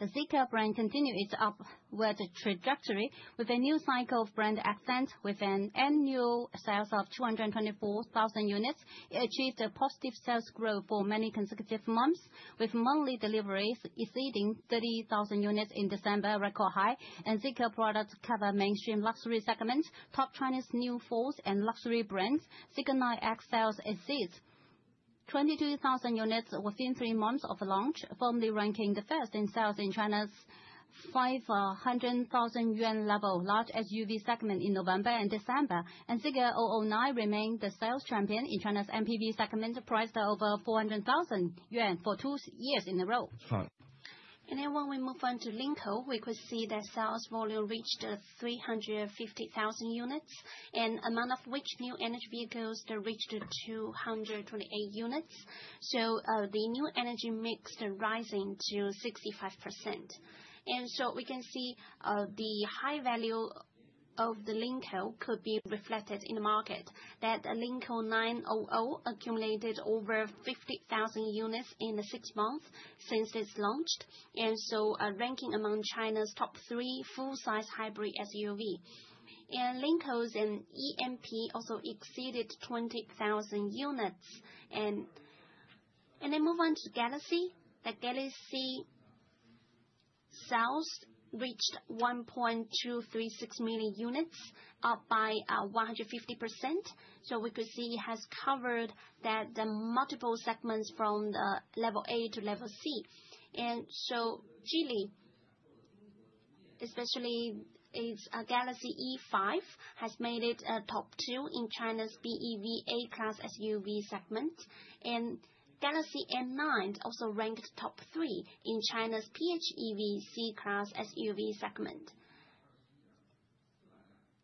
The Zeekr brand continued its upward trajectory with a new cycle of brand ascent with annual sales of 224,000 units. It achieved a positive sales growth for many consecutive months, with monthly deliveries exceeding 30,000 units in December record high. Zeekr products cover mainstream luxury segments, top Chinese NEVs and luxury brands. Zeekr 9X sales exceeds 22,000 units within three months of launch, firmly ranking first in sales in China's 500,000 yuan level large SUV segment in November and December. Zeekr 009 remained the sales champion in China's MPV segment priced over 400,000 yuan for two years in a row. Fine. When we move on to Lynk & Co, we could see that sales volume reached 350,000 units, of which new energy vehicles reached 228 units. The new energy mix rising to 65%. We can see the high value of the Lynk & Co could be reflected in the market, that Lynk & Co 09 accumulated over 50,000 units in the six months since it's launched, are ranking among China's top three full-size hybrid SUV. Lynk & Co's EM-P also exceeded 20,000 units. Then move on to Galaxy. The Galaxy sales reached 1.236 million units, up by 150%. We can see Geely has covered the multiple segments from A-class to C-class. Geely, especially its Galaxy E5, has made it top two in China's BEV A-class SUV segment. Galaxy N9 also ranked top three in China's PHEV C-class SUV segment.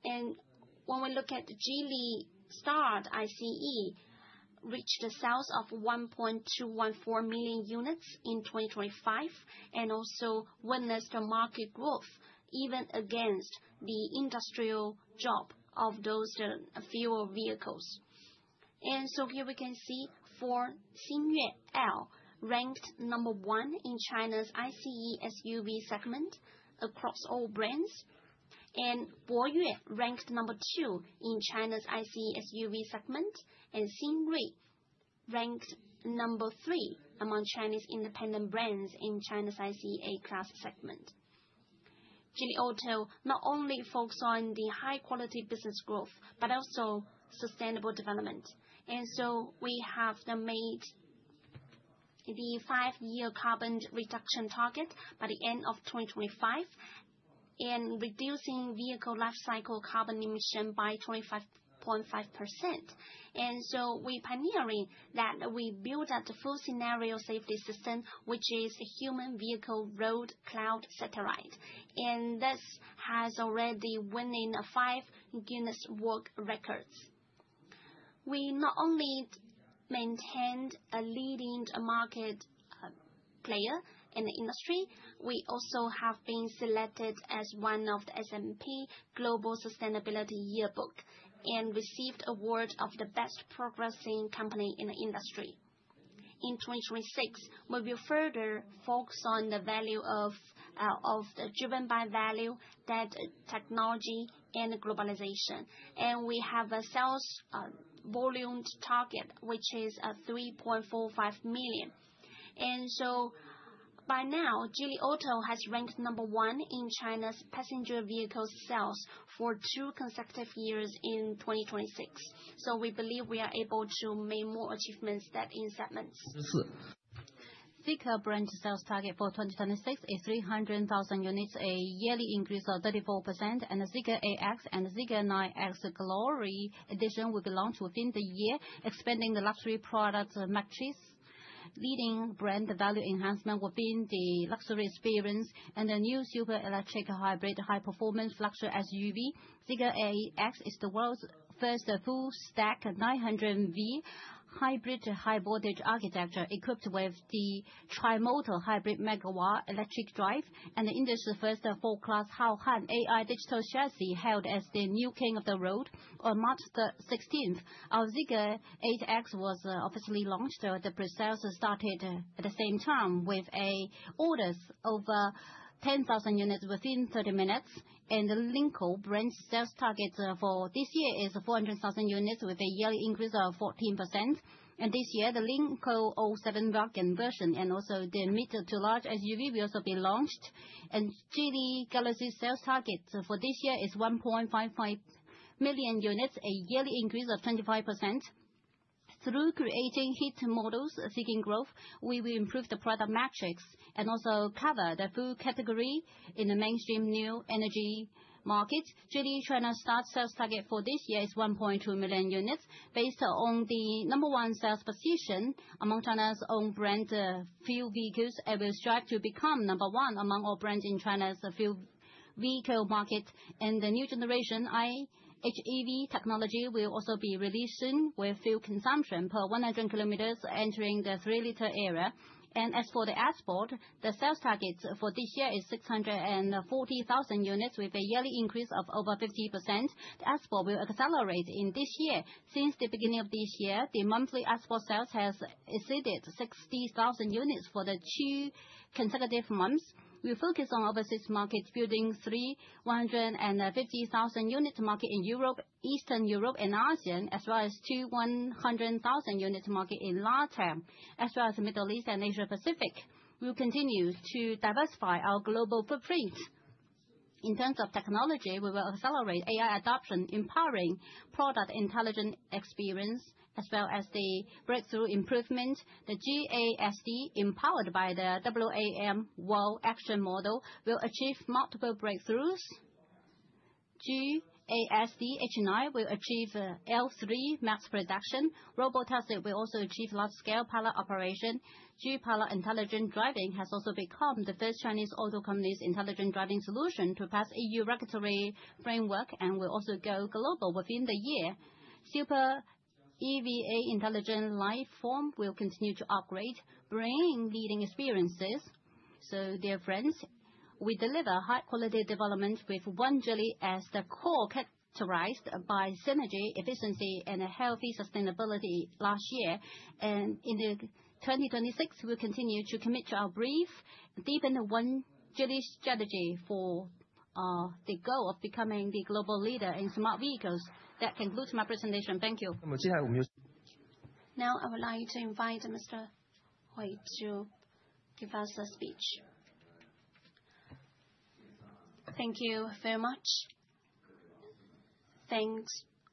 When we look at Geely China Star ICE reached the sales of 1.214 million units in 2025, and also witnessed the market growth even against the industrial drop of those fuel vehicles. Here we can see Xingyue L ranked number one in China's ICE SUV segment across all brands. Boyue ranked number two in China's ICE SUV segment. Xingyue ranked number three among Chinese independent brands in China's ICE A-class segment. Geely Auto not only focus on the high-quality business growth but also sustainable development. We have made the five-year carbon reduction target by the end of 2025 in reducing vehicle lifecycle carbon emission by 25.5%. We pioneering that. We built out the full scenario safety system, which is a human vehicle road cloud satellite. This has already winning five Guinness World Records. We not only maintained a leading market player in the industry, we also have been selected as one of the S&P Global Sustainability Yearbook and received award of the best progressing company in the industry. In 2026, we will further focus on the value of the driven by value, that technology and globalization. We have a sales volume target, which is 3.45 million. By now, Geely Auto has ranked number one in China's passenger vehicle sales for two consecutive years in 2026. We believe we are able to make more achievements than in segments. Zeekr brand sales target for 2026 is 300,000 units, a yearly increase of 34%. The Zeekr 8X and Zeekr 9X Glory Edition will be launched within the year, expanding the luxury product metrics. Leading brand value enhancement within the luxury experience and the new super electric hybrid high performance luxury SUV. Zeekr 8X is the world's first full stack 900 V hybrid high voltage architecture equipped with the tri-motor hybrid megawatt electric drive and the industry's first full-class Haohan AI Digital Chassis hailed as the new king of the road. On March 16th, our Zeekr 8X was officially launched. The pre-sales started at the same time with orders over 10,000 units within 30 minutes. The Lynk & Co brand sales target for this year is 400,000 units with a yearly increase of 14%. This year, the Lynk & Co 07 wagon version and also the mid to large SUV will also be launched. Geely Galaxy sales target for this year is 1.55 million units, a yearly increase of 25%. Through creating hit models seeking growth, we will improve the product metrics and also cover the full category in the mainstream new energy market. Geely China Star sales target for this year is 1.2 million units based on the number one sales position. Among China's own brand fuel vehicles, it will strive to become number one among all brands in China's fuel vehicle market. The new generation IHEV technology will also be released soon, with fuel consumption per 100 kilometers entering the 3-liter era. As for the export, the sales targets for this year is 640,000 units, with a yearly increase of over 50%. The export will accelerate in this year. Since the beginning of this year, the monthly export sales has exceeded 60,000 units for the two consecutive months. We focus on overseas markets, building 350,000-unit market in Europe, Eastern Europe and ASEAN, as well as two 100,000 units market in LatAm, as well as Middle East and Asia-Pacific. We will continue to diversify our global footprint. In terms of technology, we will accelerate AI adoption, empowering product intelligent experience as well as the breakthrough improvement. The G-ASD, empowered by the WAM, WaM Action Model, will achieve multiple breakthroughs. G-ASD H9 will achieve L3 mass production. Robotaxi will also achieve large-scale pilot operation. G-Pilot intelligent driving has also become the first Chinese auto company's intelligent driving solution to pass EU regulatory framework, and will also go global within the year. Super Eva intelligent life form will continue to upgrade, bringing leading experiences. Dear friends, we deliver high-quality development with one Geely as the core, characterized by synergy, efficiency, and a healthy sustainability last year. In 2026, we'll continue to commit to our brief, deepen the one Geely strategy for the goal of becoming the global leader in smart vehicles. That concludes my presentation. Thank you. Now, I would like to invite Mr. Hui to give us a speech. Thank you very much. Thanks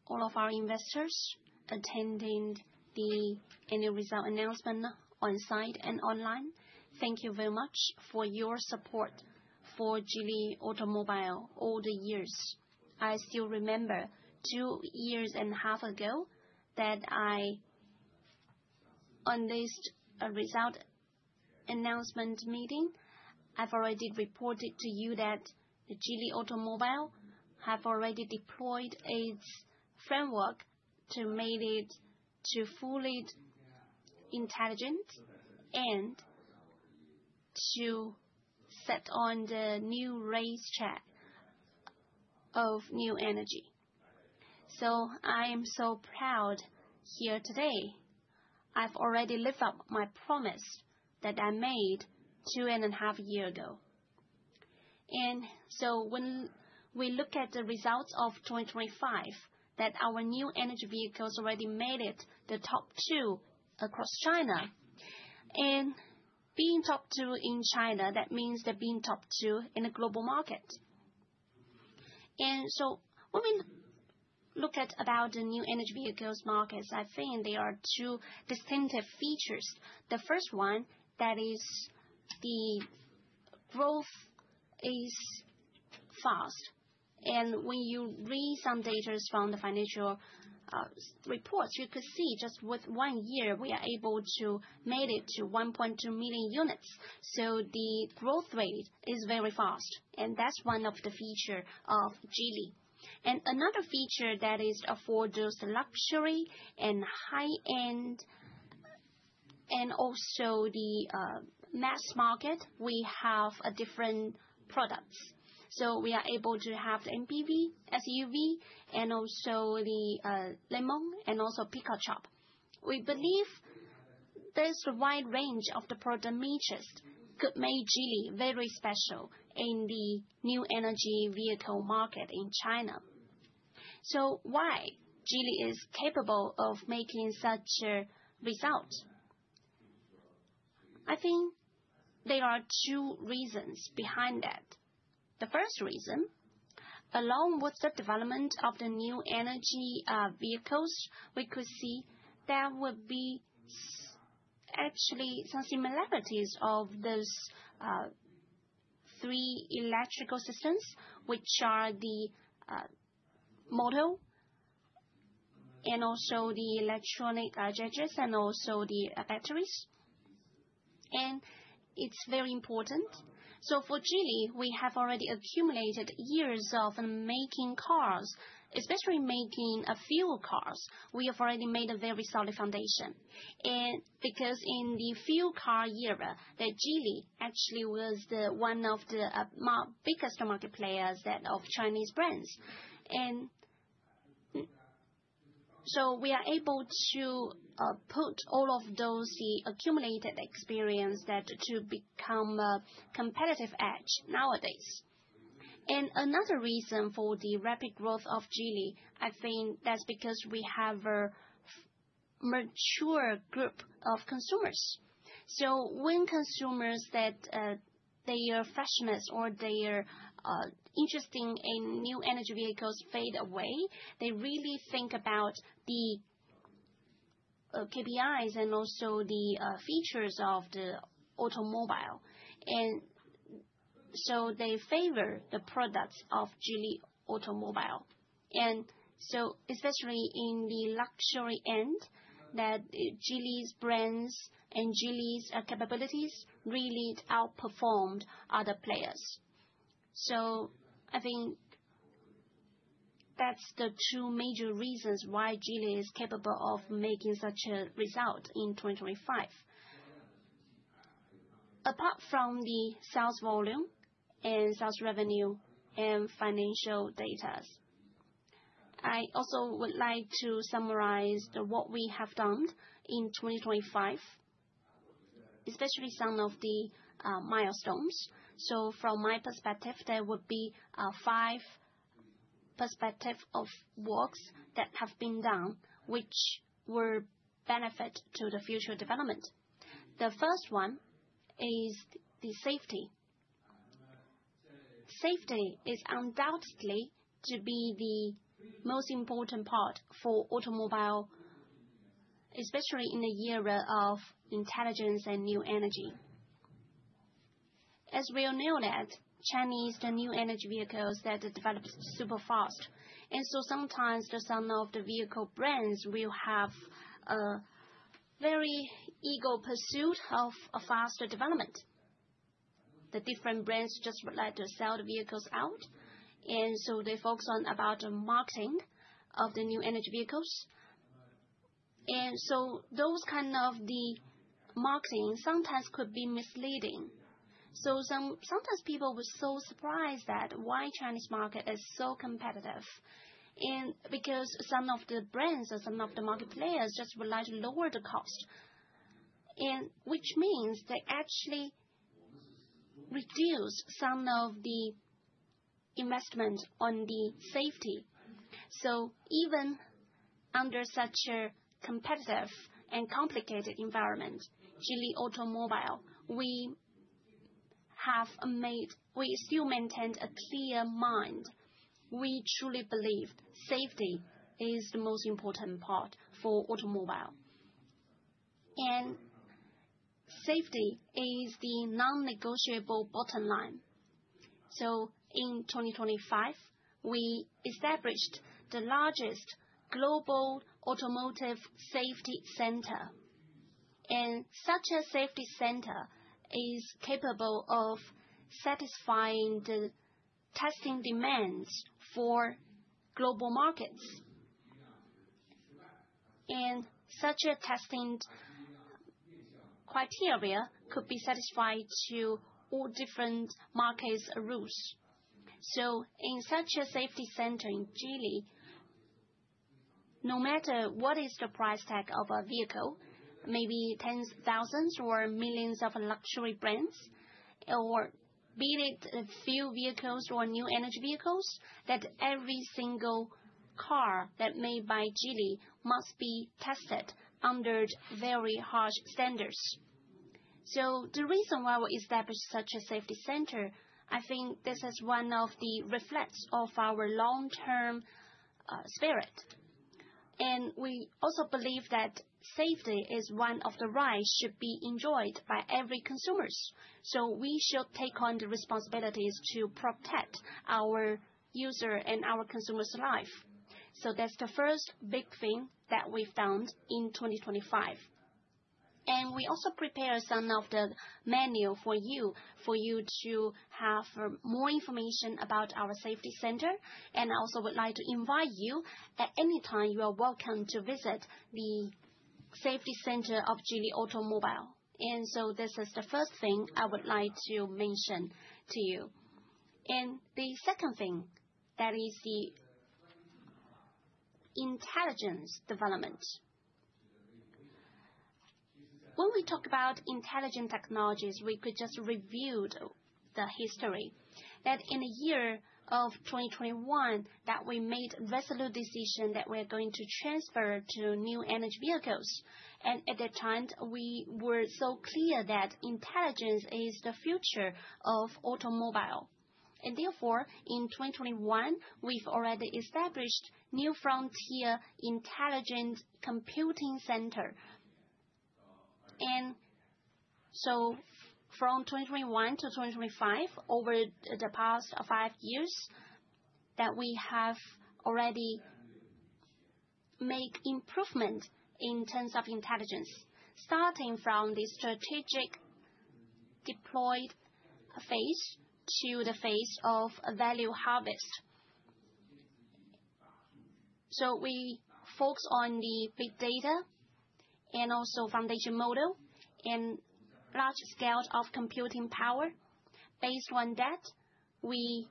all of our investors attending the annual result announcement on site and online. Thank you very much for your support for Geely Automobile all the years. I still remember 2.5 years ago that I, on this result announcement meeting, I've already reported to you that the Geely Automobile have already deployed its framework to made it to fully intelligent and to set on the new race track of new energy. I am so proud here today. I've already lived up my promise that I made 2.5 years ago. When we look at the results of 2025, that our new energy vehicles already made it the top two across China. Being top two in China, that means they're being top two in the global market. When we look at about the new energy vehicles markets, I think there are two distinctive features. The first one, that is the growth is fast. When you read some data from the financial reports, you could see just with one year, we are able to made it to 1.2 million units. The growth rate is very fast, and that's one of the feature of Geely. Another feature that is for those luxury and high-end, and also the mass market, we have different products. We are able to have MPV, SUV, and also the Lynk & Co, and also Polestar. We believe this wide range of the product niches could make Geely very special in the new energy vehicle market in China. Why Geely is capable of making such a result? I think there are two reasons behind that. The first reason, along with the development of the new energy vehicles, we could see there would be actually some similarities of those three electrical systems, which are the motor and also the electronic actuators, and also the batteries. It's very important. For Geely, we have already accumulated years of making cars, especially making fuel cars. We have already made a very solid foundation. Because in the fuel car era, Geely actually was one of the biggest market players of Chinese brands. We are able to put all of those accumulated experience to become a competitive edge nowadays. Another reason for the rapid growth of Geely, I think that's because we have a mature group of consumers. When consumers' fascination or their interest in new energy vehicles fades away, they really think about the KPIs and also the features of the automobile. They favor the products of Geely Automobile. Especially in the luxury end, that Geely's brands and Geely's capabilities really outperformed other players. I think that's the two major reasons why Geely is capable of making such a result in 2025. Apart from the sales volume and sales revenue and financial data, I also would like to summarize what we have done in 2025, especially some of the milestones. From my perspective, there would be five perspectives of works that have been done, which will benefit the future development. The first one is the safety. Safety is undoubtedly to be the most important part for automobile, especially in the era of intelligence and new energy. As we all know that China's, the new energy vehicles that develop super fast, and sometimes some of the vehicle brands will have a very eager pursuit of a faster development. The different brands just would like to sell the vehicles out, and so they focus on about marketing of the new energy vehicles. Those kind of the marketing sometimes could be misleading. Sometimes people were so surprised that why Chinese market is so competitive, and because some of the brands or some of the market players just would like to lower the cost. Which means they actually reduce some of the investments on the safety. Even under such a competitive and complicated environment, Geely Automobile, we have made. We still maintained a clear mind. We truly believe safety is the most important part for automobile. Safety is the non-negotiable bottom line. In 2025, we established the largest global automotive safety center, and such a safety center is capable of satisfying the testing demands for global markets. Such a testing criteria could be satisfied to all different markets' rules. In such a safety center in Geely, no matter what is the price tag of a vehicle, maybe tens, thousands or millions of luxury brands, or be it a few vehicles or new energy vehicles, that every single car that made by Geely must be tested under very harsh standards. The reason why we established such a safety center, I think this is one of the reflections of our long-term spirit. We also believe that safety is one of the rights should be enjoyed by every consumers. We should take on the responsibilities to protect our user and our consumers life. That's the first big thing that we found in 2025. We also prepare some of the manual for you to have more information about our safety center. I also would like to invite you, at any time you are welcome to visit the safety center of Geely Automobile. This is the first thing I would like to mention to you. The second thing, that is the intelligence development. When we talk about intelligent technologies, we could just review the history. In the year of 2021, we made resolute decision that we're going to transfer to new energy vehicles. At that time, we were so clear that intelligence is the future of automobile. Therefore, in 2021, we've already established New Frontier Intelligence Computing Center. From 2021 to 2025, over the past five years, that we have already make improvement in terms of intelligence, starting from the strategic deployed phase to the phase of a value harvest. We focus on the big data and also foundation model and large scale of computing power. Based on that, we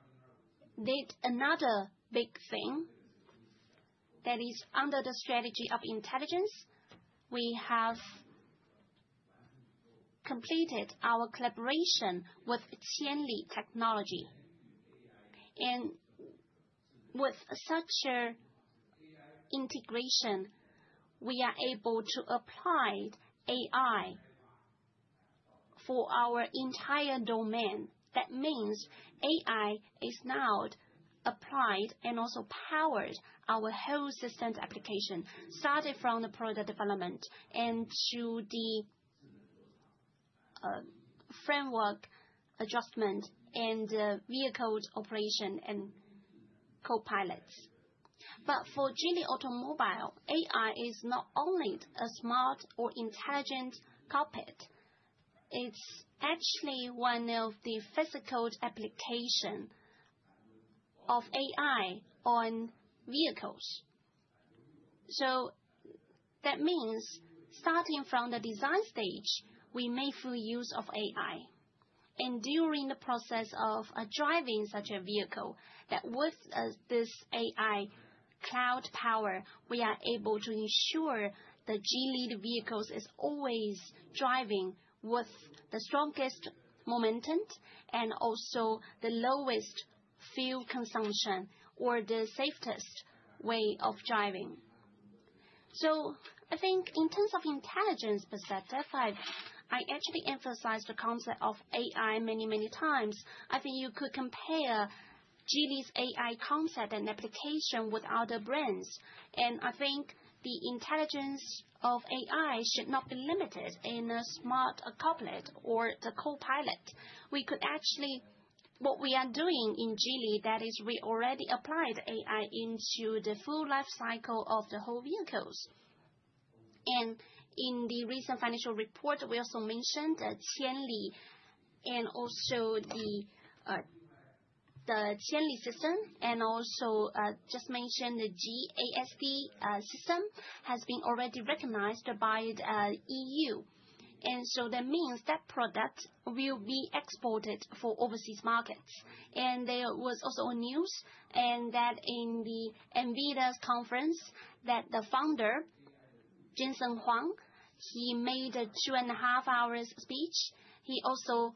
did another big thing that is under the strategy of intelligence. We have completed our collaboration with Qianli Technology. With such a integration, we are able to apply AI for our entire domain. That means- AI is now applied and also powers our whole system application, starting from the product development and to the framework adjustment and vehicle's operation and copilots. For Geely Automobile, AI is not only a smart or intelligent cockpit, it's actually one of the physical application of AI on vehicles. That means starting from the design stage, we make full use of AI. During the process of driving such a vehicle that with this AI cloud power, we are able to ensure the Geely vehicles is always driving with the strongest momentum and also the lowest fuel consumption or the safest way of driving. I think in terms of intelligence perspective, I actually emphasize the concept of AI many, many times. I think you could compare Geely's AI concept and application with other brands. I think the intelligence of AI should not be limited in a smart cockpit or the copilot. We could actually what we are doing in Geely, that is we already applied AI into the full life cycle of the whole vehicles. In the recent financial report, we also mentioned that Qianli and also the Qianli system and also just mentioned the G-ASD system has been already recognized by the EU. That means that product will be exported for overseas markets. There was also news that at the NVIDIA conference the founder, Jensen Huang, he made a 2.5-hour speech. He also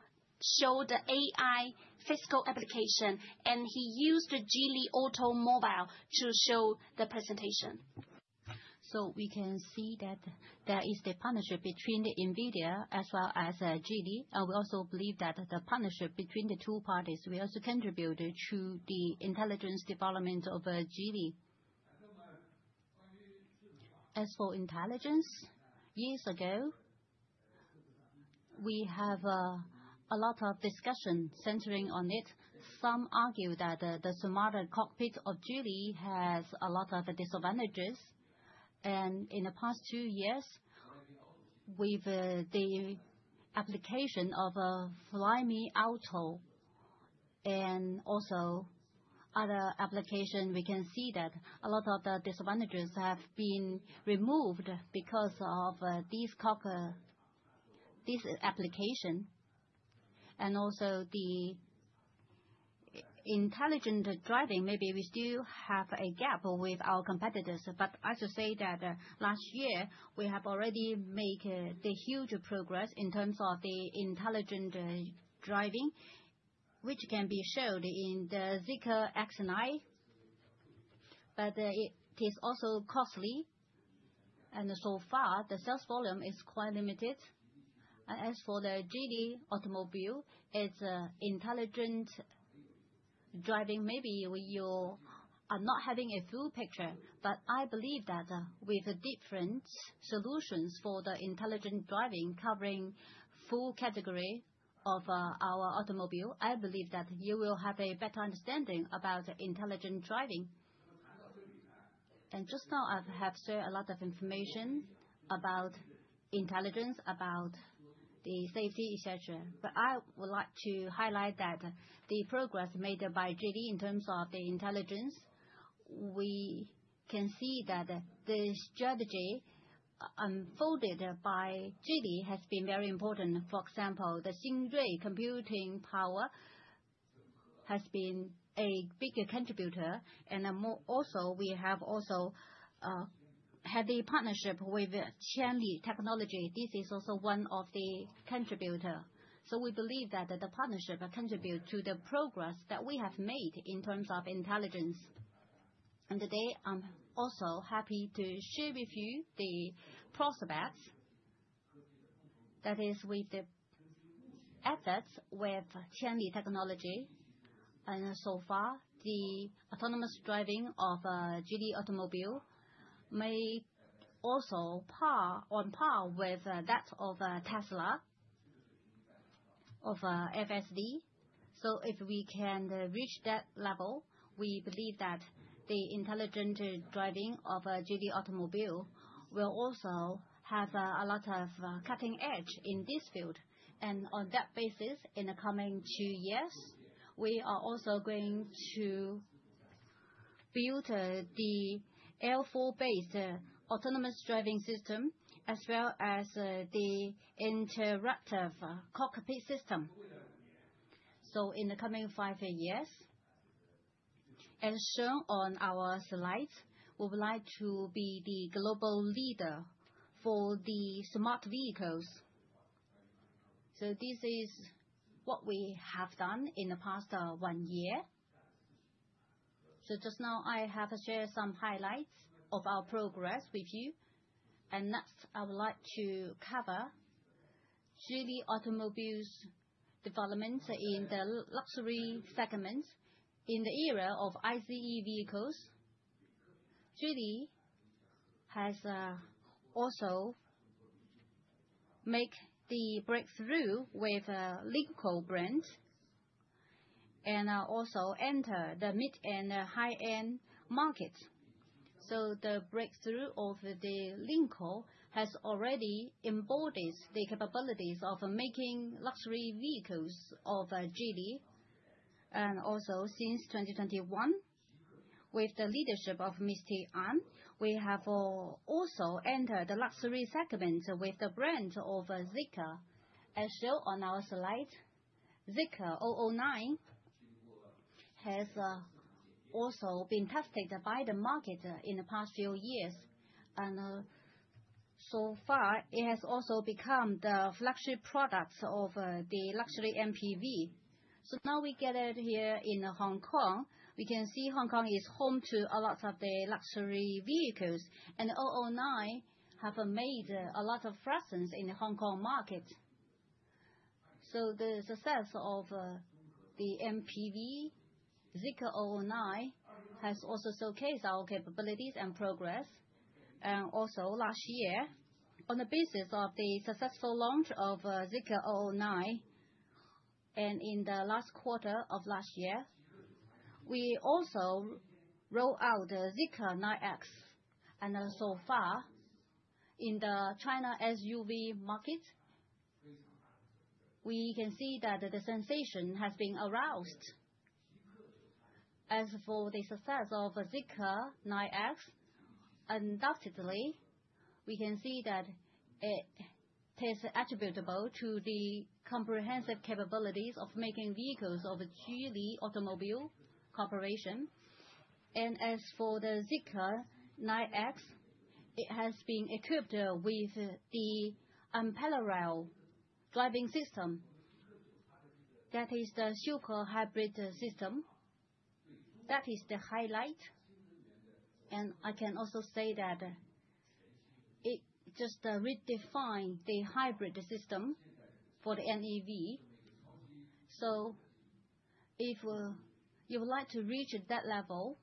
showed the AI physical application, and he used the Geely Automobile to show the presentation. We can see that there is the partnership between the NVIDIA as well as Geely. We also believe that the partnership between the two parties will also contribute to the intelligence development of Geely. As for intelligence, years ago, we have a lot of discussion centering on it. Some argue that the smart cockpit of Geely has a lot of disadvantages. In the past two years, with the application of Flyme Auto and also other application, we can see that a lot of the disadvantages have been removed because of this application. Also the intelligent driving, maybe we still have a gap with our competitors. I should say that last year, we have already make the huge progress in terms of the intelligent driving, which can be showed in the Zeekr X and 001. It is also costly, and so far, the sales volume is quite limited. As for the Geely Automobile, its intelligent driving, maybe you are not having a full picture. I believe that with different solutions for the intelligent driving covering full category of our automobile, I believe that you will have a better understanding about intelligent driving. Just now, I have shared a lot of information about intelligence, about the safety, et cetera. I would like to highlight that the progress made by Geely in terms of the intelligence, we can see that the strategy unfolded by Geely has been very important. For example, the Xingrui computing power has been a big contributor. Also, we have had a partnership with Qianli Technology. This is also one of the contributors. We believe that the partnership contributes to the progress that we have made in terms of intelligence. Today, I'm also happy to share with you the prospects, that is with the assets with Qianli Technology. So far, the autonomous driving of Geely Automobile may also be on par with that of Tesla's FSD. If we can reach that level, we believe that the intelligent driving of Geely Automobile will also have a lot of cutting edge in this field. On that basis, in the coming two years, we are also going to build the L4-based autonomous driving system as well as the interactive cockpit system. In the coming five years, as shown on our slides, we would like to be the global leader for the smart vehicles. This is what we have done in the past 1 year. Just now I have shared some highlights of our progress with you. Next, I would like to cover Geely Automobile's development in the luxury segment in the era of ICE vehicles. Geely has also make the breakthrough with Lynk & Co brands, and also enter the mid and high-end markets. The breakthrough of the Lynk & Co has already embodied the capabilities of making luxury vehicles of Geely. Since 2021, with the leadership of Mr. An, we have also entered the luxury segment with the brand of Zeekr. As shown on our slide, Zeekr 009 has also been tested by the market in the past few years, and so far it has also become the flagship product of the luxury MPV. Now we gathered here in Hong Kong. We can see Hong Kong is home to a lot of the luxury vehicles, and Zeekr 009 has made a lot of presence in the Hong Kong market. The success of the MPV Zeekr 009 has also showcased our capabilities and progress. Also last year, on the basis of the successful launch of Zeekr 009, and in the last quarter of last year, we also roll out Zeekr 9X. So far in the China SUV market, we can see that the sensation has been aroused. As for the success of Zeekr 9X, undoubtedly, we can see that it is attributable to the comprehensive capabilities of making vehicles of Geely Automobile. As for the Zeekr 9X, it has been equipped with the unparalleled driving system. That is the EM-i Super Hybrid System. That is the highlight. I can also say that it just redefined the hybrid system for the NEV. If you would like to reach that level,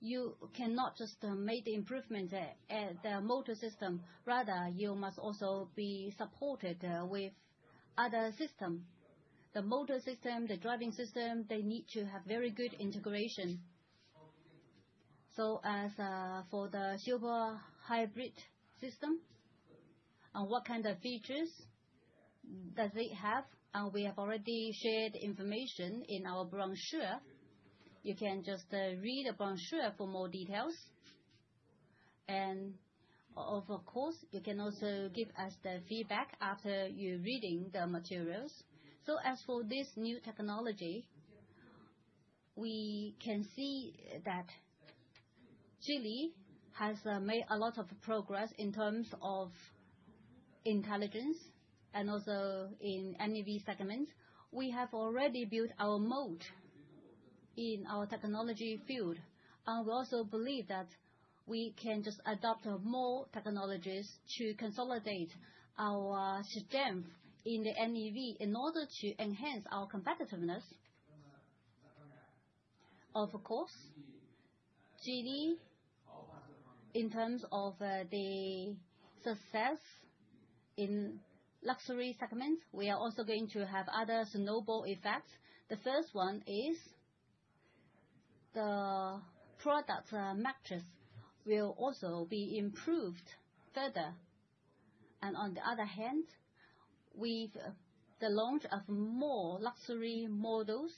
you cannot just make the improvement at the motor system. Rather, you must also be supported with other system. The motor system, the driving system, they need to have very good integration. As for the Super Hybrid System, on what kind of features does it have? We have already shared information in our brochure. You can just read the brochure for more details. Of course, you can also give us the feedback after you reading the materials. As for this new technology, we can see that Geely has made a lot of progress in terms of intelligence and also in NEV segment. We have already built our moat in our technology field. We also believe that we can just adopt more technologies to consolidate our strength in the NEV in order to enhance our competitiveness. Of course, Geely, in terms of the success in luxury segment, we are also going to have other snowball effects. The first one is the product matrix will also be improved further. On the other hand, with the launch of more luxury models,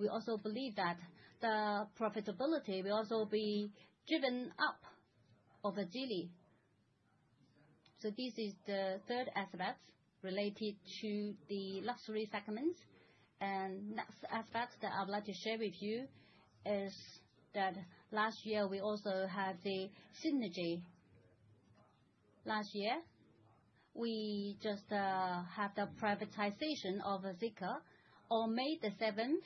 we also believe that the profitability will also be driven up of Geely. This is the third aspect related to the luxury segment. Next aspect that I would like to share with you is that last year we also had the synergy. Last year, we just had the privatization of Zeekr. On May 7,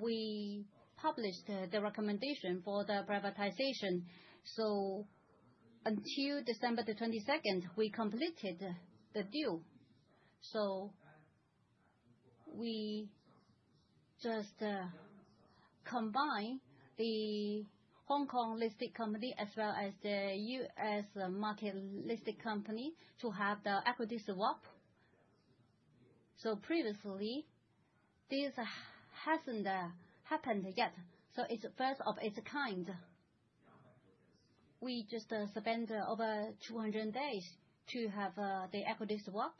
we published the recommendation for the privatization. Until December 22, we completed the deal. We just combine the Hong Kong-listed company as well as the US market-listed company to have the equities swap. Previously, this hasn't happened yet, so it's first of its kind. We just spend over 200 days to have the equity swap.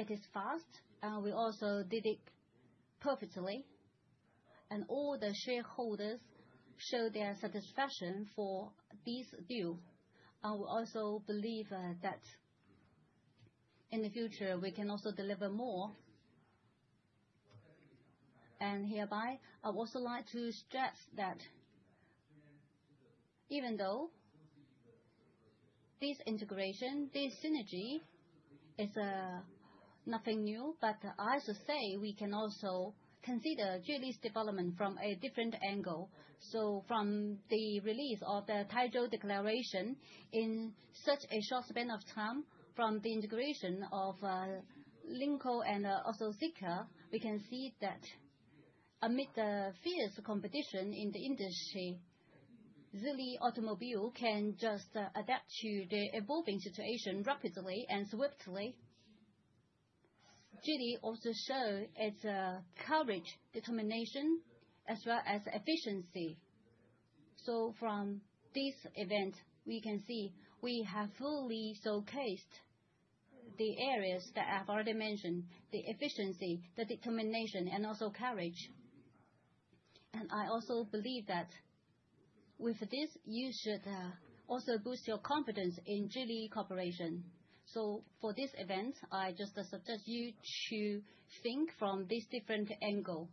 It is fast, and we also did it perfectly. All the shareholders show their satisfaction for this deal. I will also believe that in the future, we can also deliver more. Hereby, I would also like to stress that. Even though this integration, this synergy is nothing new. I should say we can also consider Geely's development from a different angle. From the release of the Taizhou Declaration in such a short span of time, from the integration of, Lynk & Co and, also Zeekr, we can see that amid the fierce competition in the industry, Geely Automobile can just adapt to the evolving situation rapidly and swiftly. Geely also show its, courage, determination, as well as efficiency. From this event, we can see we have fully showcased the areas that I've already mentioned, the efficiency, the determination, and also courage. I also believe that with this, you should, also boost your confidence in Geely Corporation. For this event, I just suggest you to think from this different angle.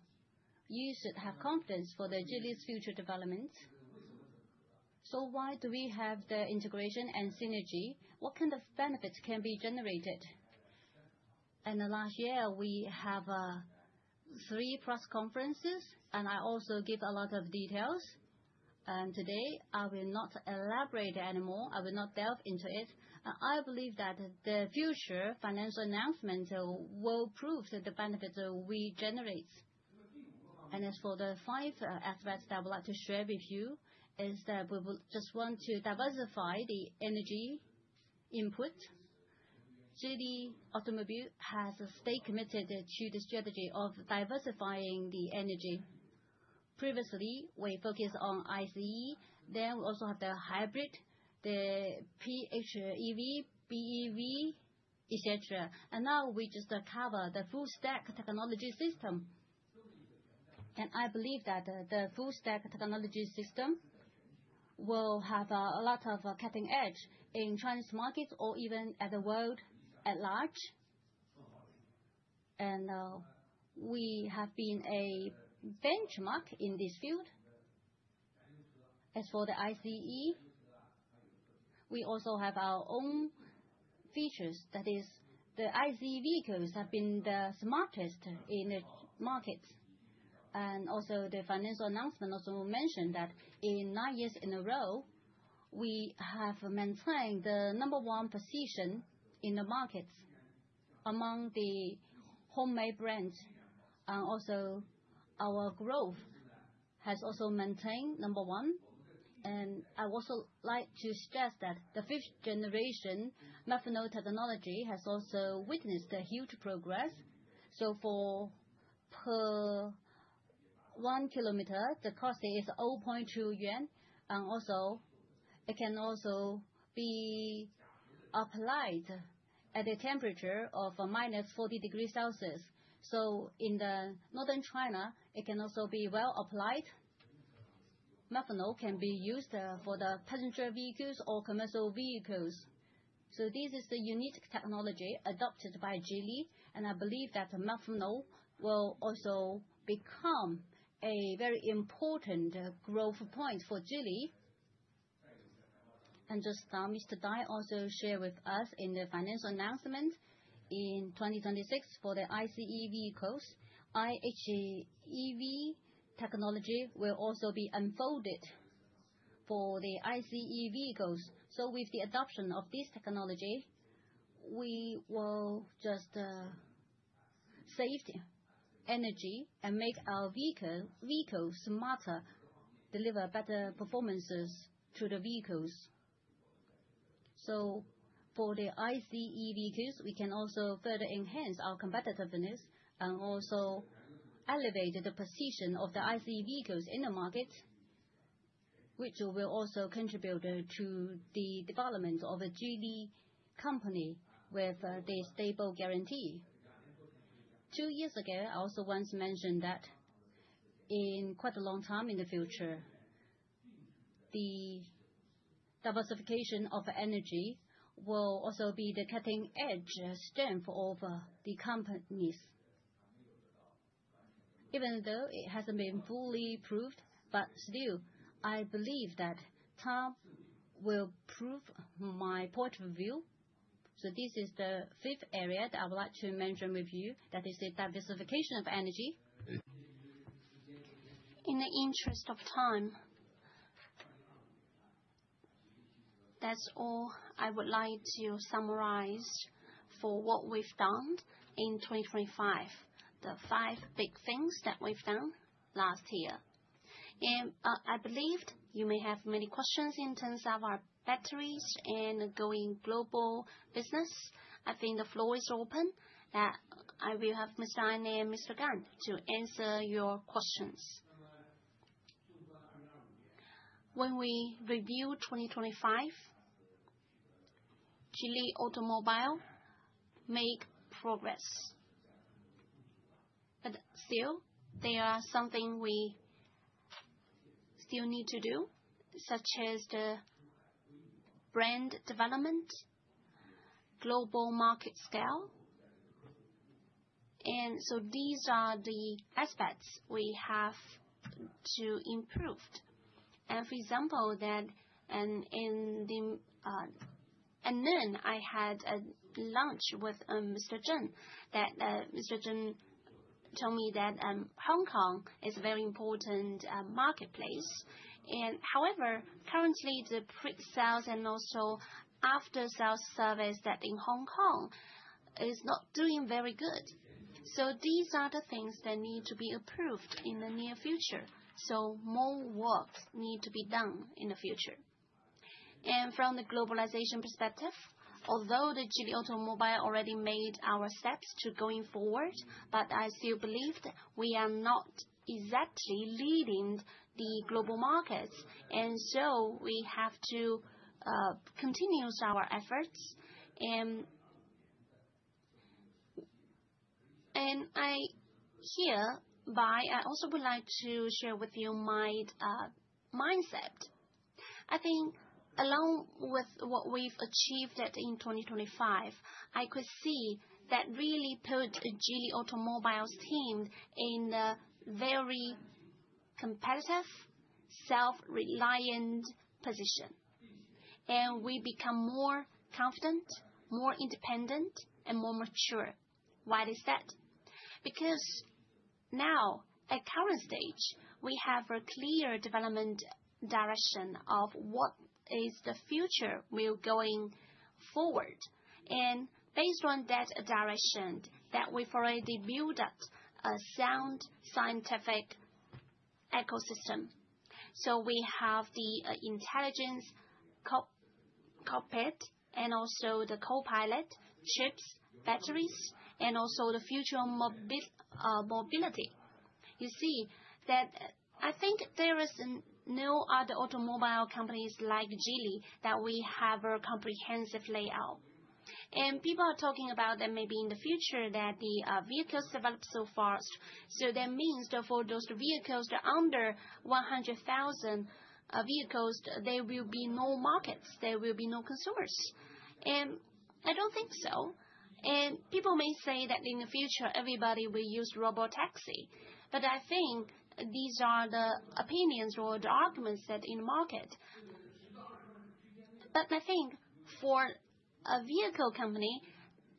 You should have confidence for the Geely's future development. Why do we have the integration and synergy? What kind of benefits can be generated? Last year, we have three press conferences, and I also give a lot of details. Today, I will not elaborate anymore. I will not delve into it. I believe that the future financial announcement will prove that the benefits that we generate. As for the five aspects I would like to share with you, is that we will just want to diversify the energy input. Geely Automobile has stayed committed to the strategy of diversifying the energy. Previously, we focused on ICE. Then we also have the hybrid, the PHEV, BEV, et cetera. Now we just cover the full-stack technology system. I believe that the full-stack technology system will have a lot of cutting edge in Chinese market or even at the world at large. We have been a benchmark in this field. As for the ICE, we also have our own features, that is the ICE vehicles have been the smartest in the market. The financial announcement also mentioned that in 9 years in a row, we have maintained the number one position in the market among the homegrown brands. Our growth has also maintained number one. I also like to stress that the fifth generation methanol technology has also witnessed a huge progress. Per kilometer, the cost is 0.2 yuan. It can also be applied at a temperature of -40 degrees Celsius. In Northern China, it can also be well applied. Methanol can be used for the passenger vehicles or commercial vehicles. This is the unique technology adopted by Geely, and I believe that methanol will also become a very important growth point for Geely. Just Mr. Dai also shared with us in the financial announcement, in 2026 for the ICE vehicles, IHEV technology will also be unfolded for the ICE vehicles. With the adoption of this technology, we will just save the energy and make our vehicle smarter, deliver better performances to the vehicles. For the ICE vehicles, we can also further enhance our competitiveness and also elevate the position of the ICE vehicles in the market, which will also contribute to the development of a Geely company with the stable guarantee. Two years ago, I also once mentioned that in quite a long time in the future, the diversification of energy will also be the cutting-edge strength of, the companies. Even though it hasn't been fully proved, but still, I believe that time will prove my point of view. This is the fifth area that I would like to mention with you. That is the diversification of energy. In the interest of time, that's all I would like to summarize for what we've done in 2025, the five big things that we've done last year. I believed you may have many questions in terms of our batteries and going global business. I think the floor is open, and I will have Mr. An and Mr. Gan to answer your questions. When we review 2025, Geely Automobile make progress. Still, there are something we still need to do, such as the brand development, global market scale. These are the aspects we have to improved. I had a lunch with Mr. Zheng. Mr. Zheng told me that Hong Kong is a very important marketplace. However, currently the pre-sales and also after-sales service that in Hong Kong is not doing very good. These are the things that need to be improved in the near future. More work need to be done in the future. From the globalization perspective, although the Geely Automobile already made our steps to going forward, but I still believed we are not exactly leading the global markets. We have to continues our efforts. I hereby, I also would like to share with you my mindset. I think along with what we've achieved in 2025, I could see that really put Geely Automobile's team in a very competitive, self-reliant position. We become more confident, more independent, and more mature. Why is that? Because now, at current stage, we have a clear development direction of what is the future we're going forward. Based on that direction that we've already built a sound scientific ecosystem. We have the intelligent cockpit and also the copilot, chips, batteries, and also the future mobility. You see that I think there is no other automobile companies like Geely, that we have a comprehensive layout. People are talking about that maybe in the future that the vehicles develop so fast. That means that for those vehicles, the under 100,000 vehicles, there will be no markets, there will be no consumers. I don't think so. People may say that in the future, everybody will use robotaxi. I think these are the opinions or the arguments that in market. I think for a vehicle company,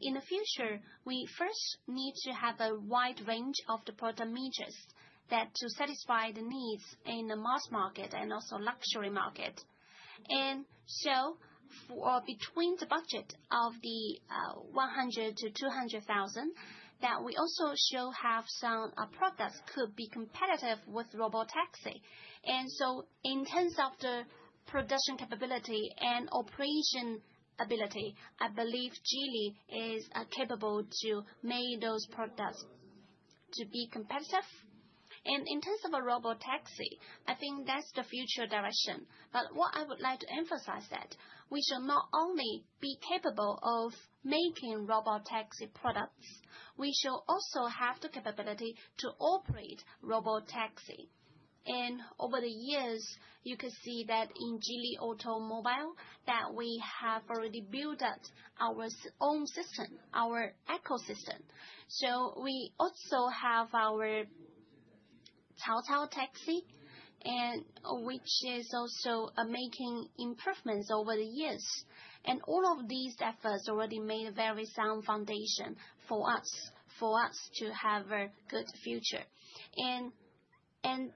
in the future, we first need to have a wide range of the product mixes that to satisfy the needs in the mass market and also luxury market. For between the budget of the 100,000-200,000, that we also should have some products could be competitive with robotaxi. In terms of the production capability and operation ability, I believe Geely is capable to make those products to be competitive. In terms of a robotaxi, I think that's the future direction. What I would like to emphasize that we should not only be capable of making robotaxi products. We should also have the capability to operate robotaxi. Over the years, you could see that in Geely Automobile, that we have already built up our own system, our ecosystem. We also have our Cao Cao Mobility, which is also making improvements over the years. All of these efforts already made a very sound foundation for us to have a good future.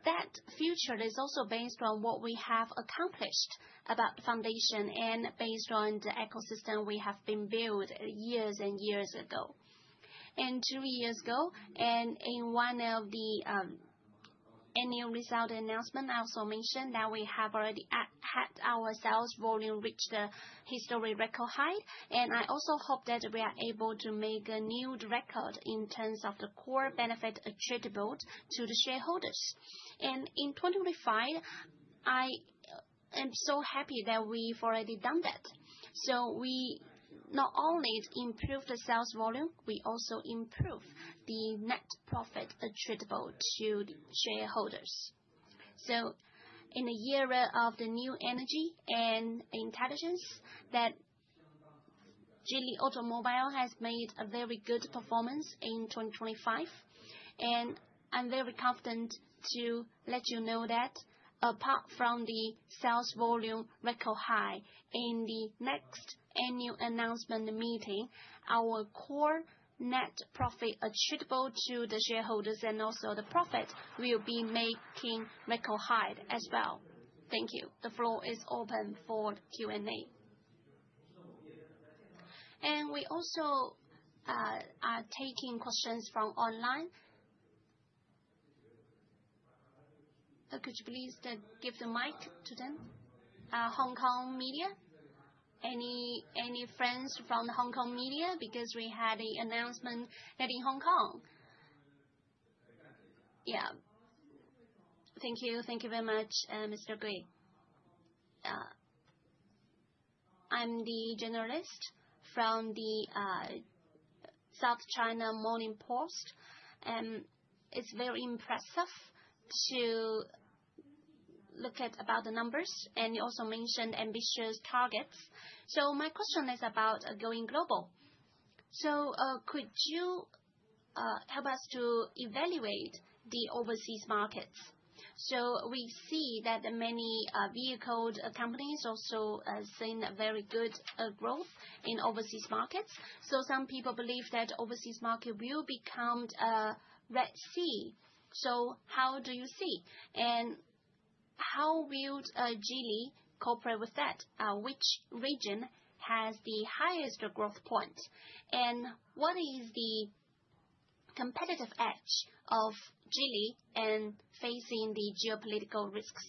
That future is also based on what we have accomplished our foundation and based on the ecosystem we have built years and years ago. Two years ago, in one of the annual results announcement, I also mentioned that we have already had our sales volume reach the historic record high. I also hope that we are able to make a new record in terms of the core profit attributable to the shareholders. In 2025, I am so happy that we've already done that. We not only improve the sales volume, we also improve the net profit attributable to shareholders. In the era of the new energy and intelligence, Geely Automobile has made a very good performance in 2025. I'm very confident to let you know that apart from the sales volume record high, in the next annual announcement meeting, our core net profit attributable to the shareholders and also the profit will be making record high as well. Thank you. The floor is open for Q&A. We also are taking questions from online. Could you please give the mic to them? Hong Kong media. Any friends from the Hong Kong media? Because we had an announcement that in Hong Kong. Yeah. Thank you. Thank you very much, Mr. Gui. I'm the journalist from the South China Morning Post. It's very impressive to look at about the numbers, and you also mentioned ambitious targets. My question is about going global. Could you help us to evaluate the overseas markets? We see that many vehicle companies also seeing a very good growth in overseas markets. Some people believe that overseas market will become a red sea. How do you see? And how will Geely cooperate with that? Which region has the highest growth point? What is the competitive edge of Geely in facing the geopolitical risks?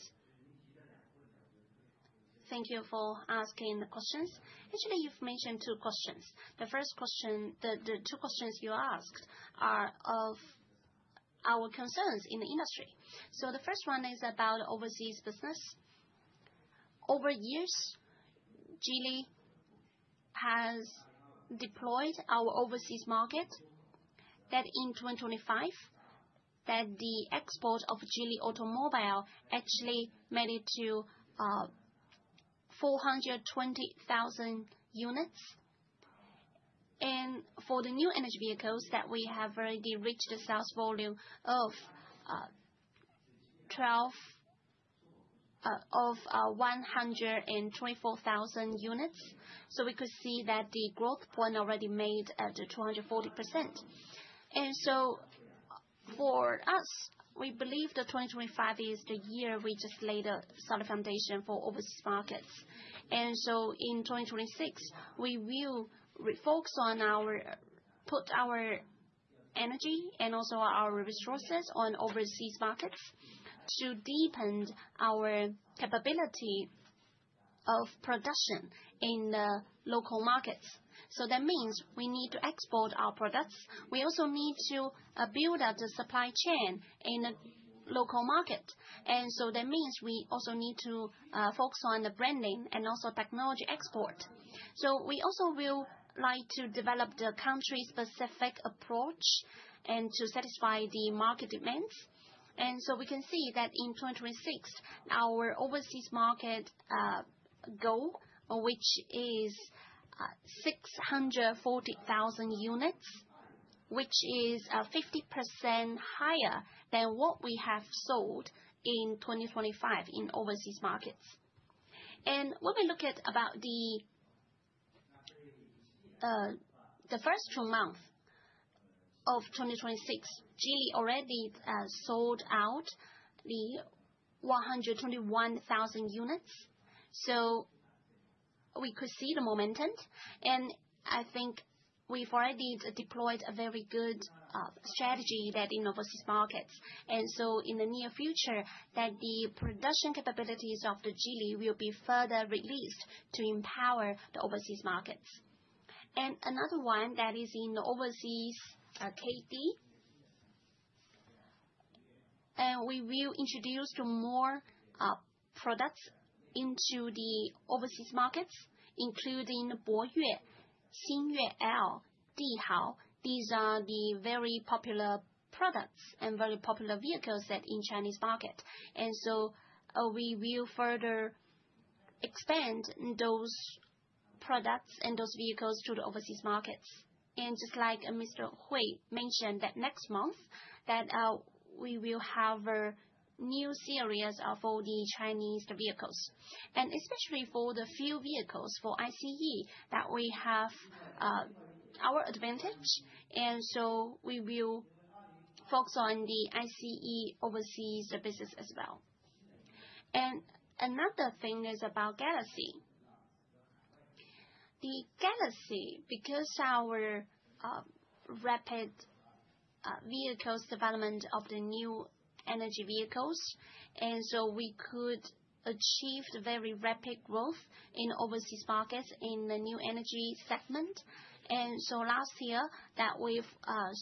Thank you for asking the questions. Actually, you've mentioned two questions. The first question. The two questions you asked are of our concerns in the industry. The first one is about overseas business. Over years, Geely has deployed our overseas market, that in 2025, that the export of Geely Automobile actually made it to 420,000 units. For the new energy vehicles, that we have already reached a sales volume of 124,000 units. We could see that the growth point already made at 240%. For us, we believe that 2025 is the year we just laid a solid foundation for overseas markets. In 2026, we will put our energy and also our resources on overseas markets to deepen our capability of production in the local markets. That means we need to export our products. We also need to build out the supply chain in a local market. That means we also need to focus on the branding and also technology export. We also will like to develop the country-specific approach and to satisfy the market demands. We can see that in 2026, our overseas market goal, which is 640,000 units, which is 50% higher than what we have sold in 2025 in overseas markets. When we look at the first two months of 2026, Geely already sold 121,000 units. We could see the momentum. I think we've already deployed a very good strategy in overseas markets. In the near future, the production capabilities of Geely will be further released to empower the overseas markets. Another one that is in the overseas KD. We will introduce more products into the overseas markets, including Boyue, Xingyue L, Dihao. These are the very popular products and very popular vehicles that in Chinese market. We will further expand those products and those vehicles to the overseas markets. Just like Mr. Hui mentioned, next month we will have new series of all the Chinese vehicles. Especially for the few vehicles for ICE that we have, our advantage. We will focus on the ICE overseas business as well. Another thing is about Galaxy. The Galaxy, because our rapid vehicles development of the new energy vehicles, and so we could achieve the very rapid growth in overseas markets in the new energy segment. Last year, that we've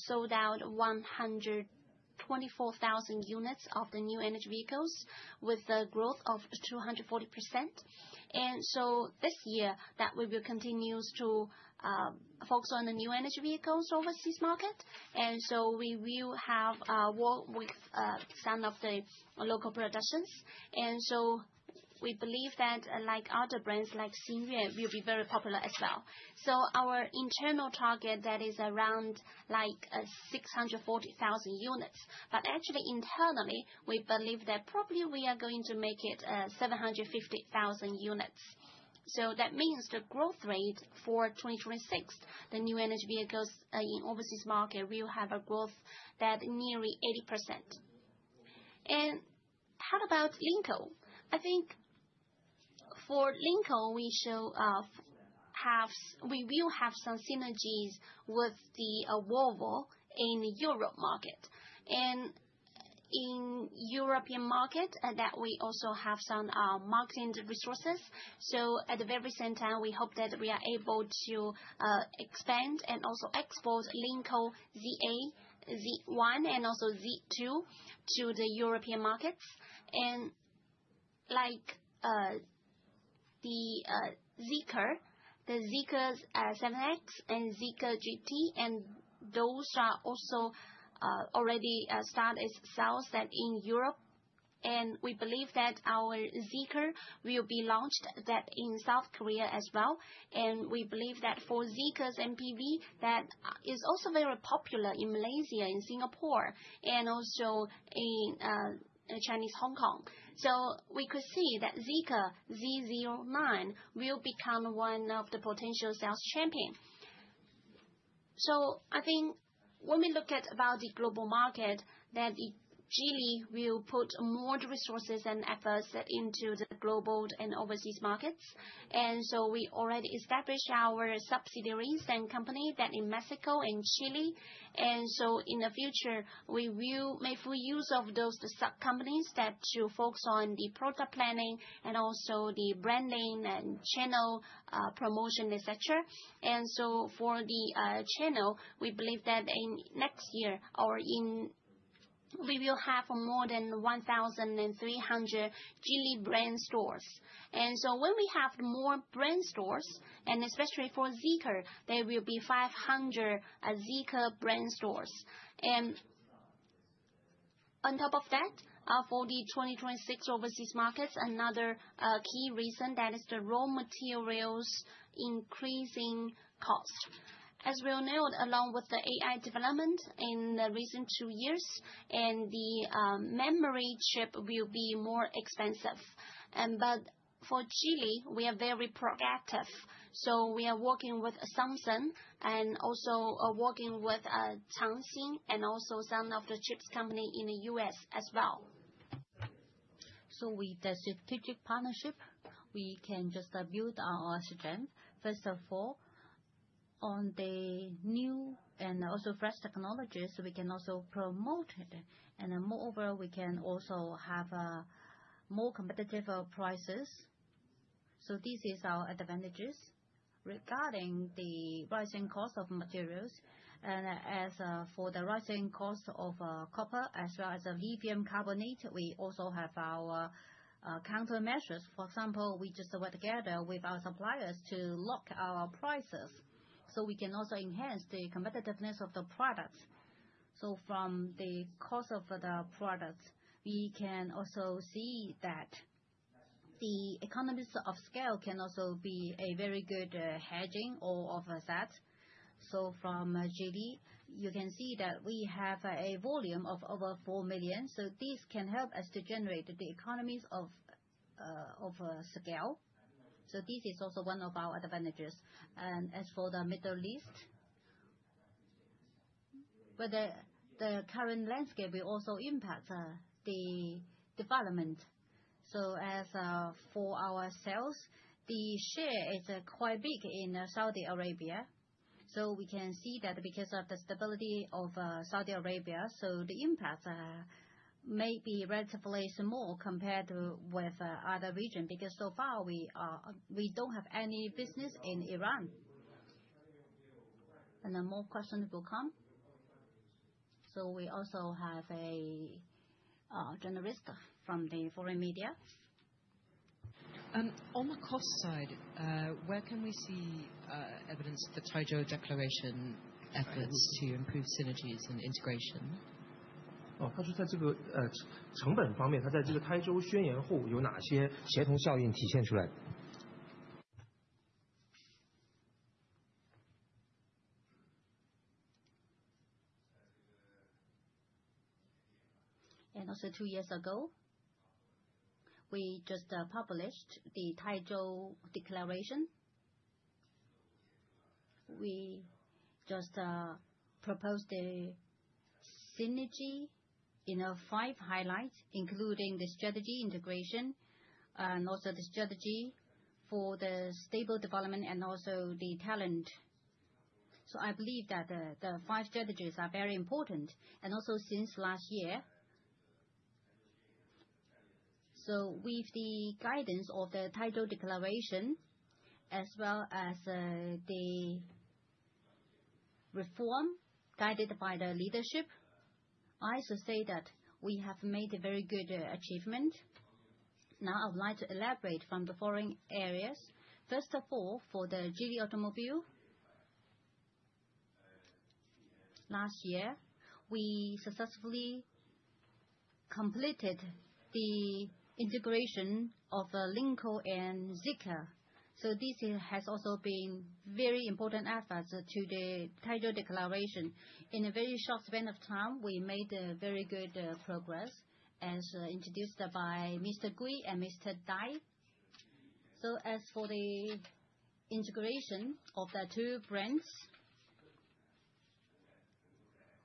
sold out 124,000 units of the new energy vehicles with a growth of 240%. This year, that we will continue to focus on the new energy vehicles overseas market. We will have work with some of the local productions. We believe that unlike other brands, like Xingyue will be very popular as well. Our internal target that is around like 640,000 units. But actually internally, we believe that probably we are going to make it 750,000 units. That means the growth rate for 2026, the new energy vehicles in overseas market will have a growth that nearly 80%. How about Lynk & Co? I think for Lynk & Co, we will have some synergies with the Volvo in the European market. In European market, that we also have some marketing resources. At the very same time, we hope that we are able to expand and also export Lynk & Co ZA, Z1, and also Z2 to the European markets. Zeekr 7X and Zeekr GT, and those are also already started sales in Europe. We believe that our Zeekr will be launched in South Korea as well. We believe that for Zeekr's MPV, that is also very popular in Malaysia and Singapore, and also in Hong Kong. We could see that Zeekr 009 will become one of the potential sales champions. I think when we look at the global market, Geely will put more resources and efforts into the global and overseas markets. We already established our subsidiaries and companies in Mexico and Chile. In the future, we will make full use of those sub-companies to focus on the product planning and also the branding and channel promotion, et cetera. For the channel, we believe that in next year we will have more than 1,300 Geely brand stores. When we have more brand stores, and especially for Zeekr, there will be 500 Zeekr brand stores. On top of that, for the 26 overseas markets, another key reason that is the raw materials increasing cost. As we all know, along with the AI development in the recent two years and the memory chip will be more expensive. But for Geely, we are very proactive. So we are working with Samsung and also working with ChangXin and also some of the chip companies in the US as well. With the strategic partnership, we can just build our strength, first of all, on the new and also fresh technologies. We can also promote it. Moreover, we can also have more competitive prices. This is our advantages. Regarding the rising cost of materials, and for the rising cost of copper as well as the lithium carbonate, we also have our countermeasures. For example, we just work together with our suppliers to lock our prices, so we can also enhance the competitiveness of the products. From the cost of the products, we can also see that the economies of scale can also be a very good hedging or of that. From Geely, you can see that we have a volume of over 4 million, so this can help us to generate the economies of scale. This is also one of our advantages. As for the Middle East, with the current landscape, it also impacts the development. As for our sales, the share is quite big in Saudi Arabia. We can see that because of the stability of Saudi Arabia, so the impact may be relatively small compared to with other region, because so far we don't have any business in Iran. Then more questions will come. We also have a journalist from the foreign media. On the cost side, where can we see evidence of the Taizhou Declaration efforts to improve synergies and integration? Also two years ago, we just published the Taizhou Declaration. We just proposed a synergy in our five highlights, including the strategy, integration, and also the strategy for the stable development and also the talent. I believe that the five strategies are very important. Since last year. With the guidance of the Taizhou Declaration, as well as the reform guided by the leadership, I should say that we have made a very good achievement. Now, I would like to elaborate from the following areas. First of all, for the Geely Automobile. Last year, we successfully completed the integration of Lynk & Co and Zeekr. This has also been very important efforts to the Taizhou Declaration. In a very short span of time, we made a very good progress as introduced by Mr. Gui and Mr Jia. As for the integration of the two brands,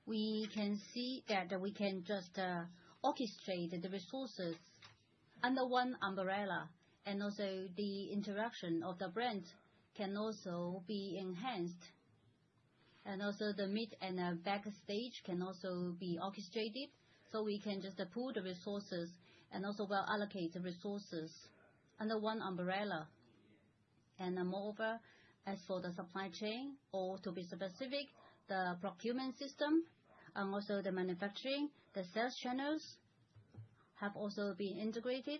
we can see that we can just orchestrate the resources under one umbrella, and also the interaction of the brands can also be enhanced. The middle and the back office can also be orchestrated. We can just pool the resources and also well allocate the resources under one umbrella. Moreover, as for the supply chain or to be specific, the procurement system and also the manufacturing, the sales channels have also been integrated.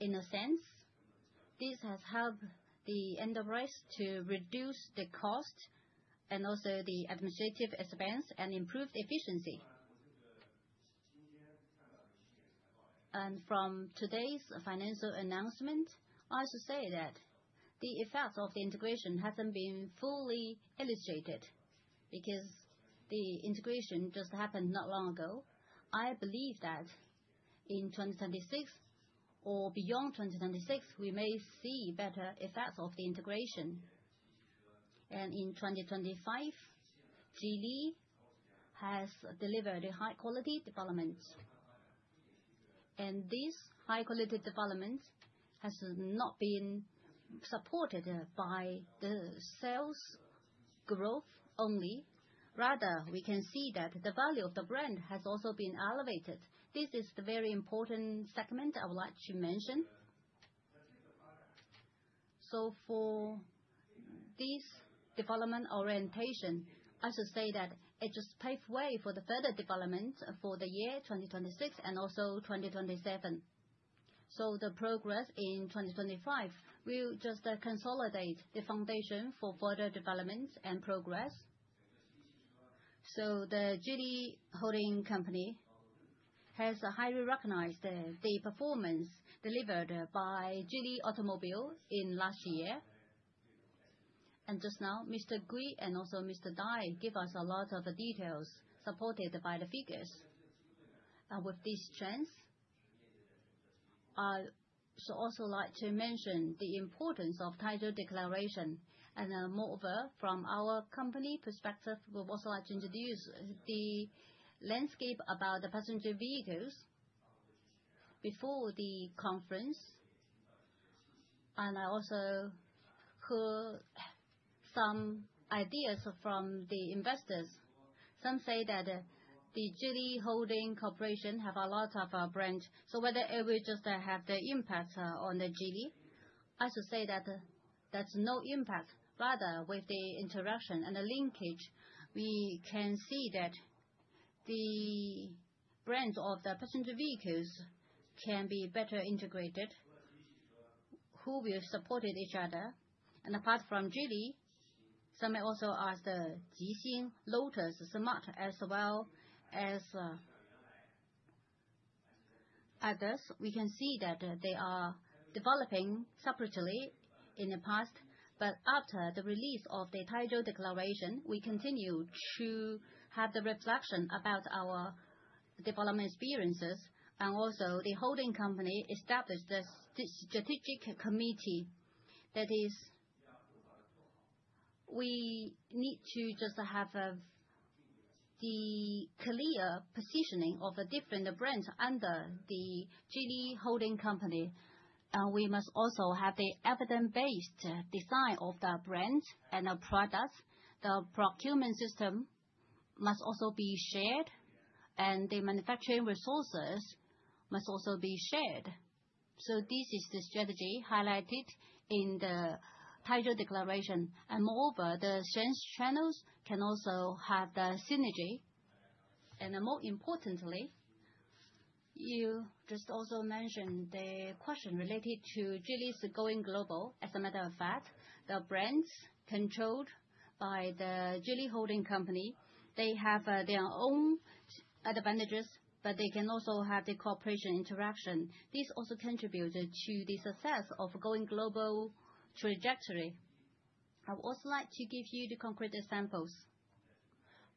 In a sense, this has helped the enterprise to reduce the cost and also the administrative expense and improve the efficiency. From today's financial announcement, I should say that the effects of the integration hasn't been fully illustrated because the integration just happened not long ago. I believe that in 2076 or beyond 2076, we may see better effects of the integration. In 2025, Geely has delivered a high-quality development. This high-quality development has not been supported by the sales growth only. Rather, we can see that the value of the brand has also been elevated. This is the very important segment I would like to mention. For this development orientation, I should say that it just paved way for the further development for the year 2026 and also 2027. The progress in 2025 will just consolidate the foundation for further development and progress. The Geely Holding Company has highly recognized the performance delivered by Geely Automobile in last year. Just now, Mr. Gui and also Mr. Dai give us a lot of the details supported by the figures. With this strength, I should also like to mention the importance of Taizhou Declaration. Moreover, from our company perspective, we'd also like to introduce the landscape about the passenger vehicles before the conference. I also heard some ideas from the investors. Some say that the Geely Holding Group have a lot of branches. Whether it will just have the impact on the Geely, I should say that there's no impact. Rather, with the interaction and the linkage, we can see that the brands of the passenger vehicles can be better integrated, which will support each other. Apart from Geely, some may also ask about Zeekr, Lotus, Smart as well as others. We can see that they are developing separately in the past. After the release of the Taizhou Declaration, we continue to have the reflection about our development experiences and also the holding company established the strategic committee. That is, we need to just have the clear positioning of the different brands under the Geely holding company. We must also have the evidence-based design of the brands and the products. The procurement system must also be shared, and the manufacturing resources must also be shared. This is the strategy highlighted in the Taizhou Declaration. Moreover, the sales channels can also have the synergy. More importantly, you just also mentioned the question related to Geely's going global. As a matter of fact, the brands controlled by the Geely holding company, they have their own advantages, but they can also have the cooperation interaction. This also contributed to the success of going global trajectory. I would also like to give you the concrete examples.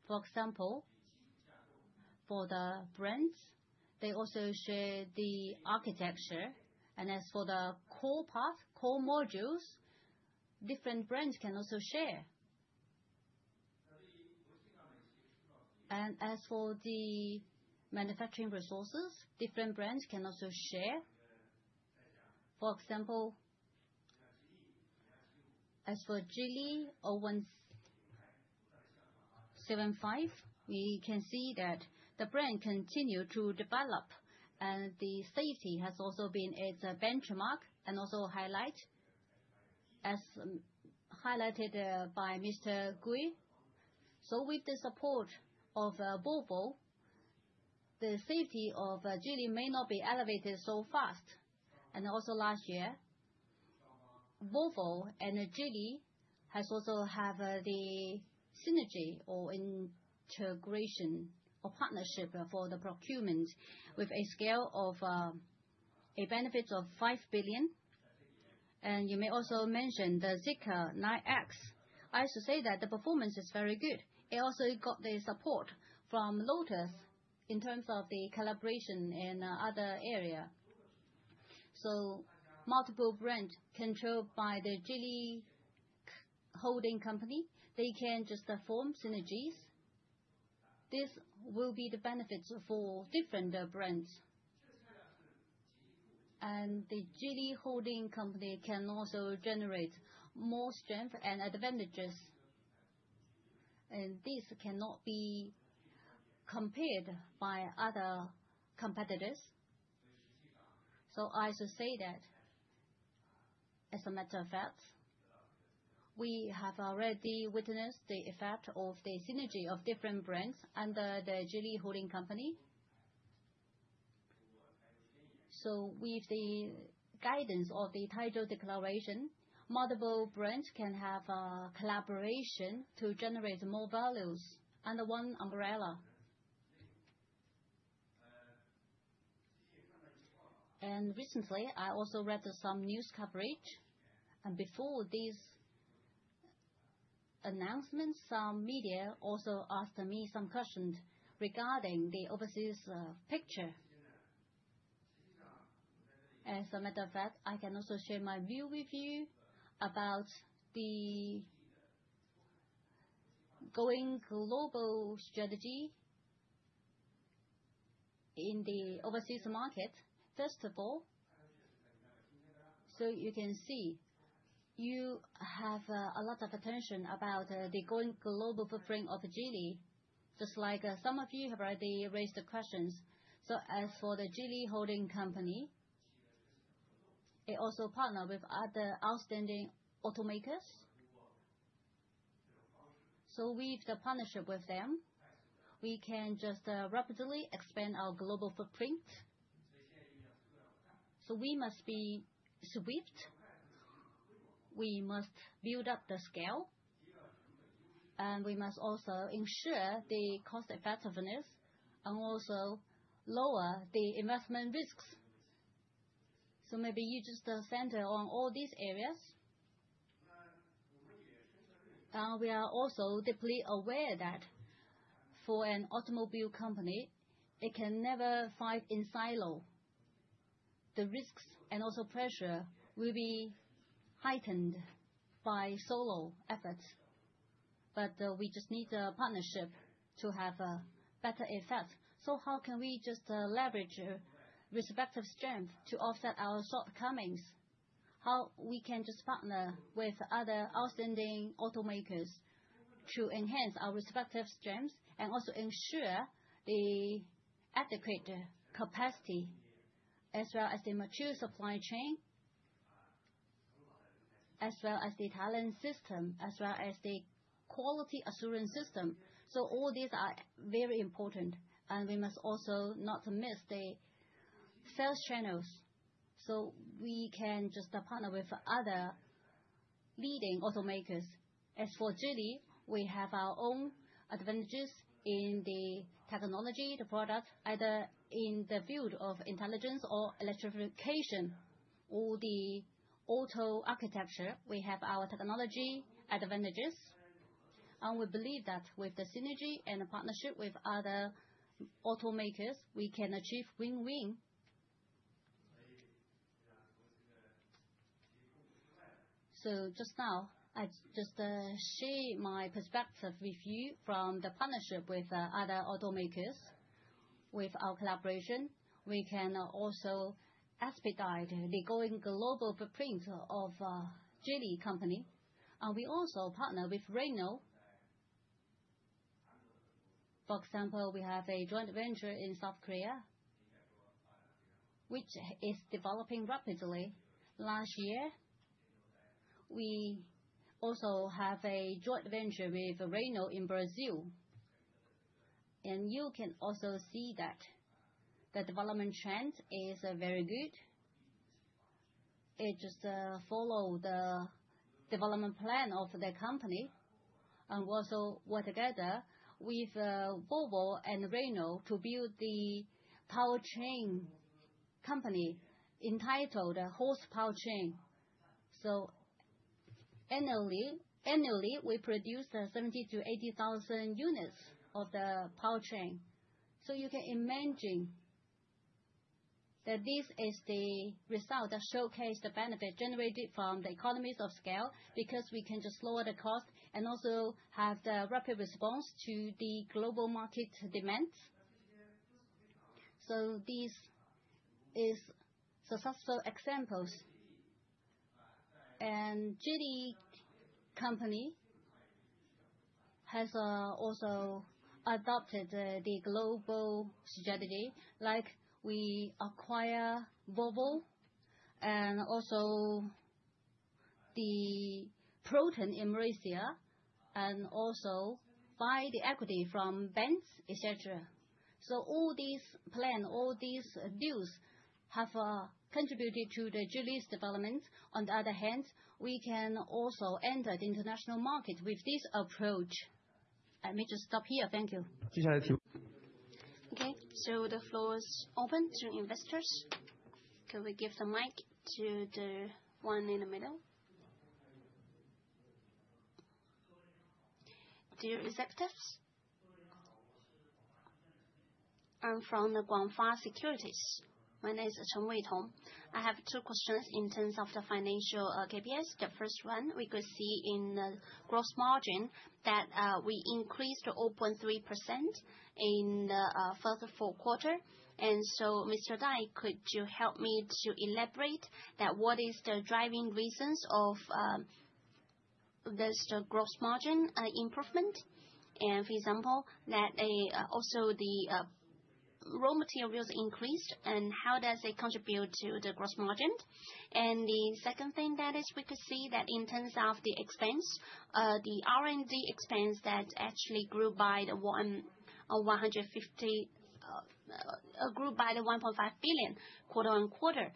For example, for the brands, they also share the architecture, and as for the core part, core modules, different brands can also share. As for the manufacturing resources, different brands can also share. For example, as for Geely 0175, we can see that the brand continued to develop and the safety has also been its benchmark and also highlight, as highlighted by Mr. Gui. With the support of Volvo, the safety of Geely may not be elevated so fast. Last year, Volvo and Geely have the synergy or integration or partnership for the procurement with a scale of a benefit of 5 billion. You may also mention the Zeekr 9X. I should say that the performance is very good. It also got the support from Lotus in terms of the collaboration in other area. Multiple brand controlled by the Geely Holding Company, they can just form synergies. This will be the benefits for different brands. The Geely Holding Company can also generate more strength and advantages. This cannot be compared by other competitors. I should say that as a matter of fact, we have already witnessed the effect of the synergy of different brands under the Geely Holding Company. With the guidance of the Taizhou Declaration, multiple brands can have collaboration to generate more values under one umbrella. Recently, I also read some news coverage. Before this announcement, some media also asked me some questions regarding the overseas picture. As a matter of fact, I can also share my view with you about the going global strategy in the overseas market. First of all, you can see, you have a lot of attention about the going global footprint of Geely, just like some of you have already raised the questions. As for the Geely Holding Company, they also partner with other outstanding automakers. With the partnership with them, we can just rapidly expand our global footprint. We must be swift, we must build up the scale, and we must also ensure the cost effectiveness and also lower the investment risks. Maybe you just center on all these areas. We are also deeply aware that for an automobile company, it can never fight in silo. The risks and also pressure will be heightened by solo efforts. We just need a partnership to have a better effect. How can we just leverage respective strength to offset our shortcomings? How we can just partner with other outstanding automakers to enhance our respective strengths and also ensure the adequate capacity, as well as the mature supply chain, as well as the talent system, as well as the quality assurance system. All these are very important, and we must also not miss the sales channels. We can just partner with other leading automakers. As for Geely, we have our own advantages in the technology, the product, either in the field of intelligence or electrification or the auto architecture. We have our technology advantages. We believe that with the synergy and partnership with other automakers, we can achieve win-win. Just now, I just share my perspective with you from the partnership with other automakers. With our collaboration, we can also expedite the going global footprint of Geely company. We also partner with Renault. For example, we have a joint venture in South Korea, which is developing rapidly. Last year, we also have a joint venture with Renault in Brazil. You can also see that the development trend is very good. It just follow the development plan of the company, and also work together with Volvo and Renault to build the power train company entitled HORSE Powertrain. Annually, we produce 70-80 thousand units of the powertrain. You can imagine that this is the result that showcase the benefit generated from the economies of scale, because we can just lower the cost and also have the rapid response to the global market demands. This is successful examples. Geely company has also adopted the global strategy, like we acquire Volvo and also the Proton in Malaysia, and also buy the equity from banks, et cetera. All these plan, all these deals have contributed to the Geely's development. On the other hand, we can also enter the international market with this approach. Let me just stop here. Thank you. Okay, the floor is open to investors. Can we give the mic to the one in the middle? Dear executives. I'm from Guangfa Securities. My name is Chen Weitong. I have two questions in terms of the financial KPIs. The first one, we could see in the gross margin that we increased to 0.3% in the fourth quarter. Mr. Dai, could you help me to elaborate what is the driving reasons for the gross margin improvement. For example, that the raw materials also increased, and how does it contribute to the gross margin? The second thing is we could see that in terms of the expense, the R&D expense actually grew by 1.5 billion quarter-on-quarter.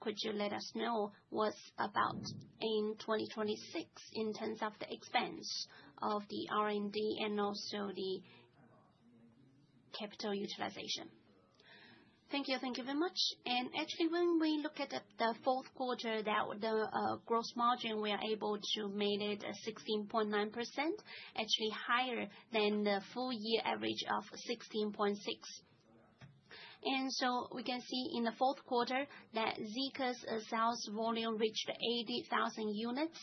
Could you let us know what about in 2026 in terms of the expense of the R&D and also the capital utilization? Thank you. Thank you very much. Actually, when we look at the fourth quarter, the gross margin, we are able to make it 16.9%, actually higher than the full year average of 16.6%. We can see in the fourth quarter that Zeekr's sales volume reached 80,000 units.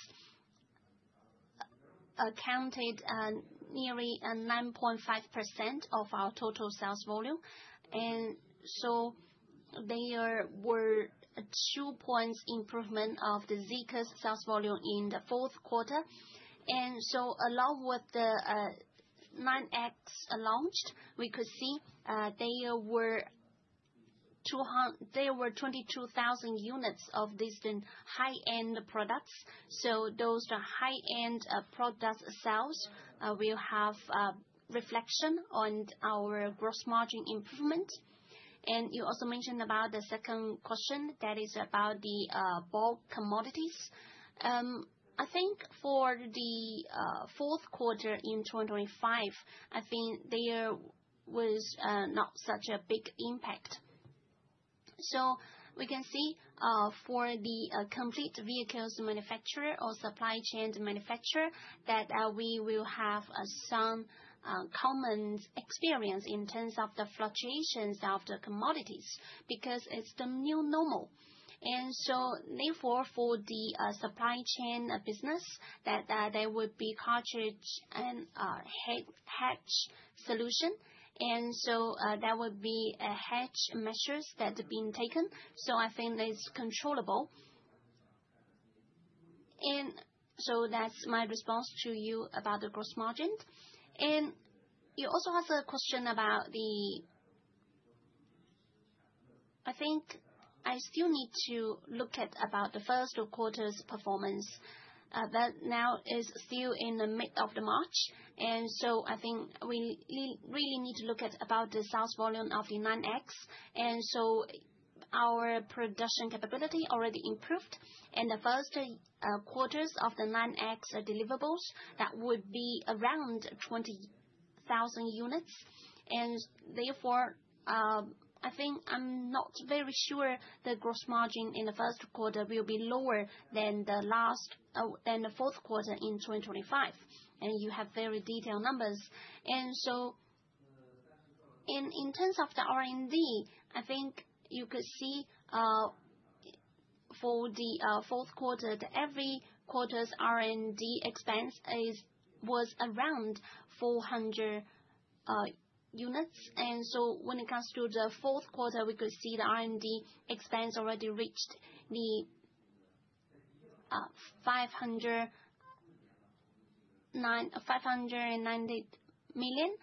Accounting for nearly 9.5% of our total sales volume. There were two points improvement of the Zeekr's sales volume in the fourth quarter. Along with the Zeekr 9X launched, we could see there were 22,000 units of these in high-end products. Those are high-end product sales will have reflection on our gross margin improvement. You also mentioned about the second question that is about the bulk commodities. I think for the fourth quarter in 2025, I think there was not such a big impact. We can see for the complete vehicles manufacturer or supply chain manufacturer that we will have some common experience in terms of the fluctuations of the commodities because it's the new normal. Therefore, for the supply chain business, there would be hedging and hedge solution. There would be a hedge measures that are being taken. I think that it's controllable. That's my response to you about the gross margin. You also asked a question about the. I think I still need to look at about the first quarter's performance, that now is still in the mid of March. I think we really need to look at about the sales volume of the Zeekr 9X. Our production capability already improved. The first quarters of the Zeekr 9X deliverables, that would be around 20,000 units. Therefore, I think I'm not very sure the gross margin in the first quarter will be lower than the last than the fourth quarter in 2025. You have very detailed numbers. In terms of the R&D, I think you could see, for the fourth quarter, every quarter's R&D expense was around 400 million. When it comes to the fourth quarter, we could see the R&D expense already reached CNY 590 million.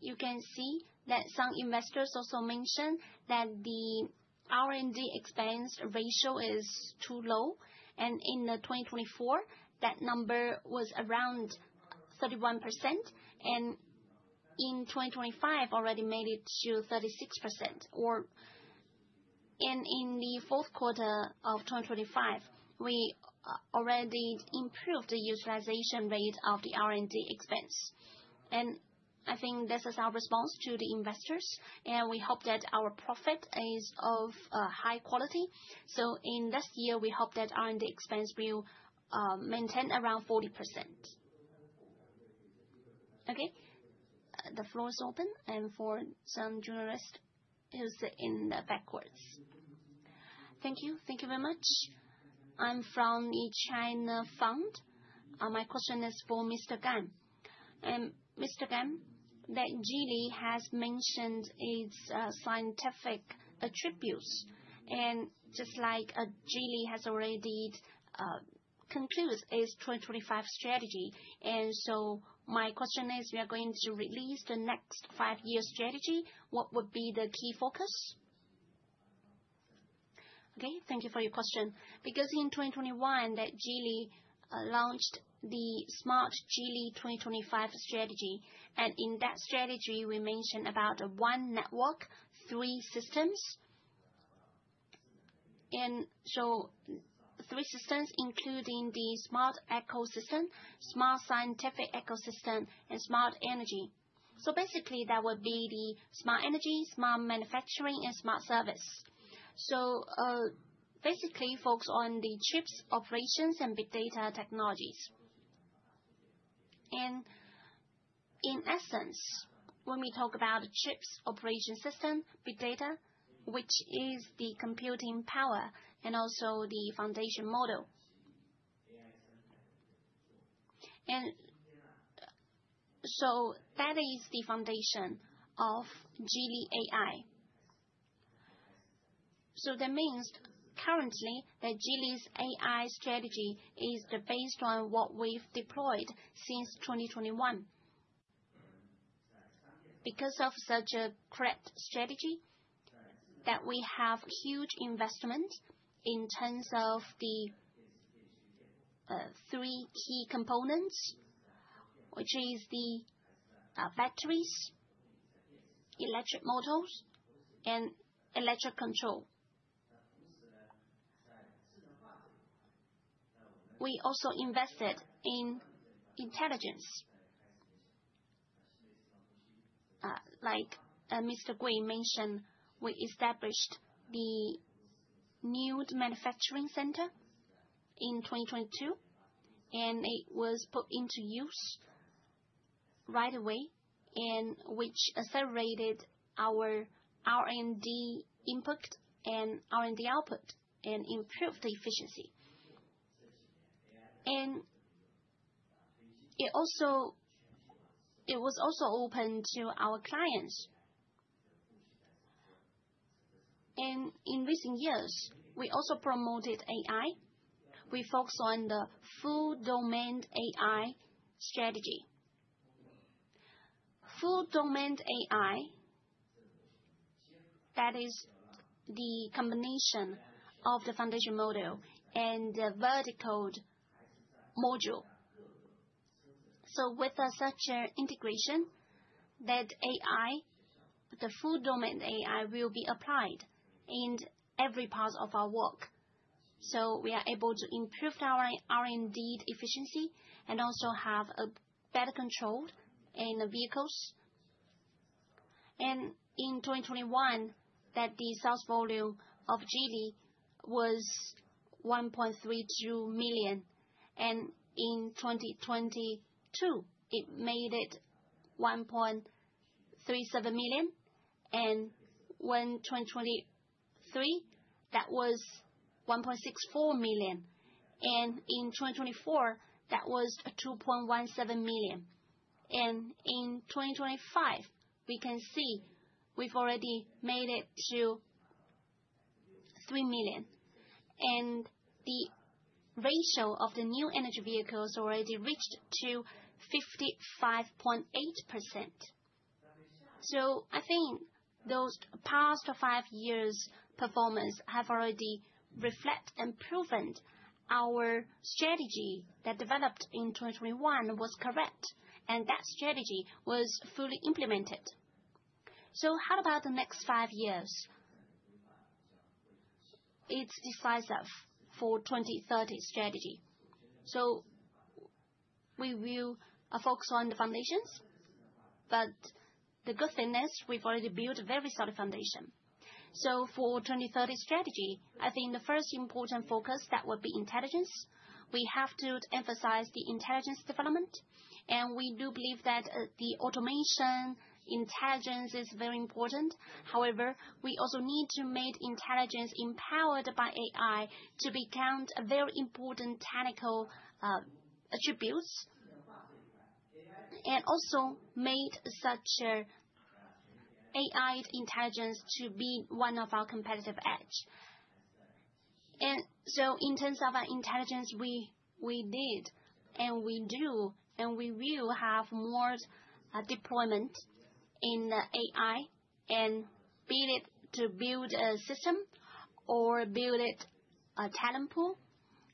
You can see that some investors also mentioned that the R&D expense ratio is too low. In 2024, that number was around 31%. In 2025 already made it to 36%. In the fourth quarter of 2025, we already improved the utilization rate of the R&D expense. I think this is our response to the investors. We hope that our profit is of high quality. In this year, we hope that R&D expense will maintain around 40%. Okay. The floor is open for some journalists in the back rows. Thank you. Thank you very much. I'm from China Fund. My question is for Mr. Gan. Mr. Gan, Geely has mentioned its scientific attributes and just like Geely has already concluded its 2025 strategy. My question is, are you going to release the next five-year strategy? What would be the key focus? Okay, thank you for your question. Because in 2021 Geely launched the smart Geely 2025 strategy. In that strategy, we mentioned about one network, three systems. Three systems, including the smart ecosystem, smart scientific ecosystem, and smart energy. Basically that would be the smart energy, smart manufacturing, and smart service. Basically focus on the chips, operating systems and big data technologies. In essence, when we talk about chips, operating system, big data, which is the computing power and also the foundation model. Yeah, that is the foundation of Geely AI. That means currently that Geely's AI strategy is based on what we've deployed since 2021. Because of such a correct strategy that we have huge investment in terms of the three key components, which is the factories, electric motors, and electric control. We also invested in intelligence. Like Mr. Gui mentioned, we established the new manufacturing center in 2022, and it was put into use right away, and which accelerated our R&D input and R&D output, and improved the efficiency. It was also open to our clients. In recent years, we also promoted AI. We focus on the full-domain AI strategy. Full-domain AI, that is the combination of the foundation model and the vertical module. With such a integration, that AI, the full-domain AI will be applied in every part of our work. We are able to improve our R&D efficiency and also have a better control in the vehicles. In 2021, the sales volume of Geely was 1.32 million. In 2022, it was 1.37 million. In 2023, that was 1.64 million. In 2024, that was 2.17 million. In 2025, we can see we've already made it to 3 million. The ratio of the new energy vehicles already reached 55.8%. I think those past five years performance have already reflect and proven our strategy that developed in 2021 was correct, and that strategy was fully implemented. How about the next five years? It's decisive for 2030 strategy. We will focus on the foundations, but the good thing is we've already built a very solid foundation. For 2030 strategy, I think the first important focus, that would be intelligence. We have to emphasize the intelligence development, and we do believe that, the automation intelligence is very important. However, we also need to make intelligence empowered by AI to become a very important technical attributes. And also made such a AI intelligence to be one of our competitive edge. In terms of our intelligence, we did, and we do, and we will have more deployment in AI, and be it to build a system or build it a talent pool.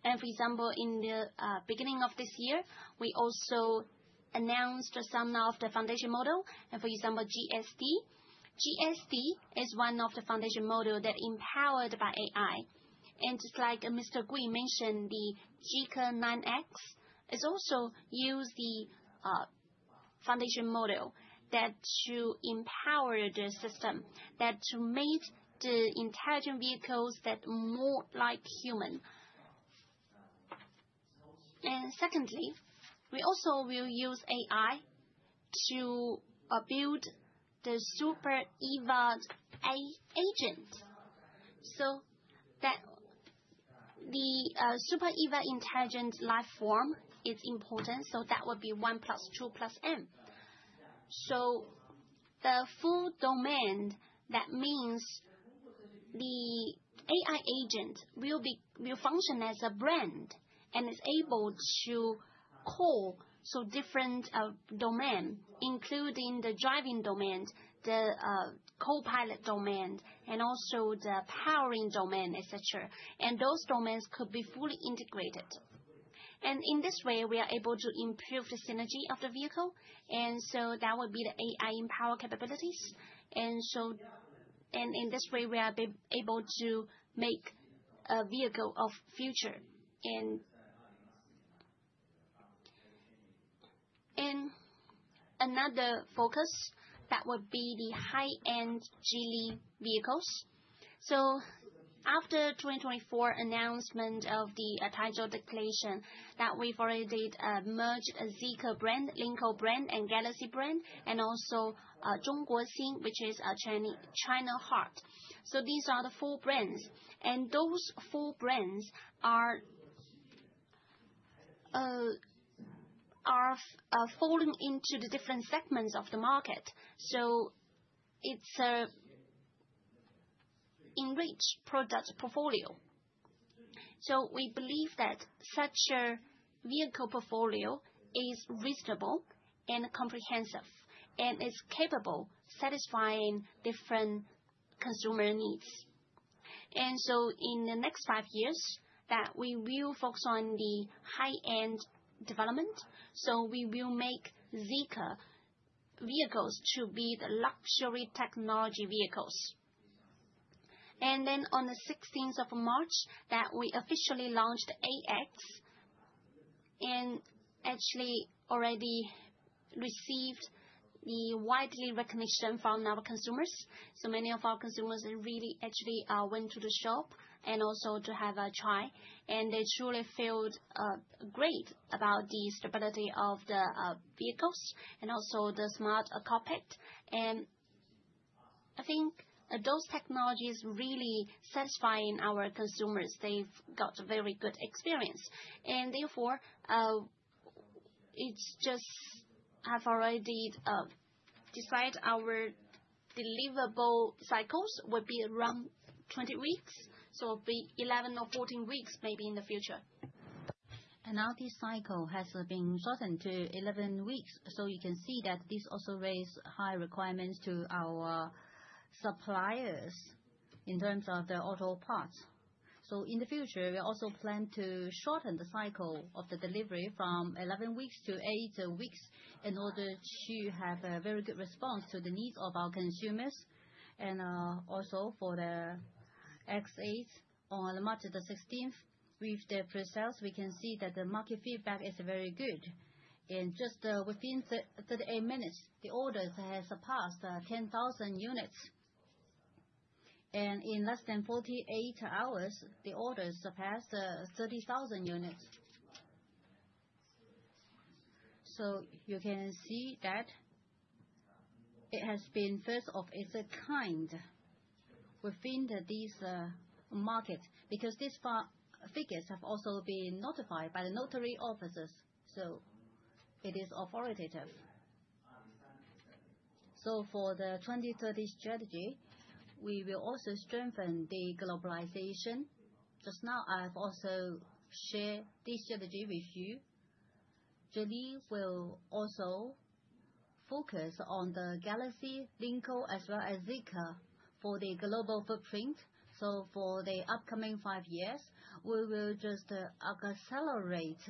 For example, in the beginning of this year, we also announced some of the foundation model, and for example, G-ASD. G-ASD is one of the foundation model that empowered by AI. Just like Mr. Gui mentioned, the Zeekr 9X is also use the foundation model that to empower the system, that to make the intelligent vehicles that more like human. Secondly, we also will use AI to build the Super Eva AI agent. That the Super Eva intelligent life form is important, so that would be one plus two plus N. The full domain, that means the AI agent will be, will function as a brand and is able to call across different domain, including the driving domain, the co-pilot domain, and also the powering domain, et cetera. Those domains could be fully integrated. In this way, we are able to improve the synergy of the vehicle. That would be the AI-powered capabilities. In this way, we are able to make a vehicle of the future. Another focus, that would be the high-end Geely vehicles. After 2024 announcement of the Taizhou Declaration that we've already merged Zeekr brand, Lynk & Co brand and Galaxy brand and also China Star. These are the four brands, and those four brands are They are falling into the different segments of the market, so it's enriching the product portfolio. We believe that such a vehicle portfolio is reasonable and comprehensive, and is capable satisfying different consumer needs. In the next five years, we will focus on the high-end development, so we will make Zeekr vehicles to be the luxury technology vehicles. On the 16, March, we officially launched Zeekr X, and actually already received the wide recognition from our consumers. Many of our consumers really actually went to the shop, and also to have a try. They surely felt great about the stability of the vehicles and also the smart cockpit. I think those technologies really satisfying our consumers. They've got very good experience. Therefore, we have already decided our delivery cycles will be around 20 weeks. It will be 11 or 14 weeks, maybe in the future. Now, this cycle has been shortened to 11 weeks, so you can see that this also raise high requirements to our suppliers in terms of the auto parts. In the future, we also plan to shorten the cycle of the delivery from 11 weeks to 8 weeks in order to have a very good response to the needs of our consumers. Also, for the X8 on March 16, with the pre-sales, we can see that the market feedback is very good. Within just 38 minutes, the orders has surpassed 10,000 units. In less than 48 hours, the orders surpassed 30,000 units. You can see that it has been first of its kind within these market, because this figures have also been notified by the notary officers, so it is authoritative. For the 2030 strategy, we will also strengthen the globalization. Just now, I have also shared this strategy with you. Geely will also focus on the Galaxy, Lynk & Co, as well as Zeekr for the global footprint. For the upcoming five years, we will just accelerate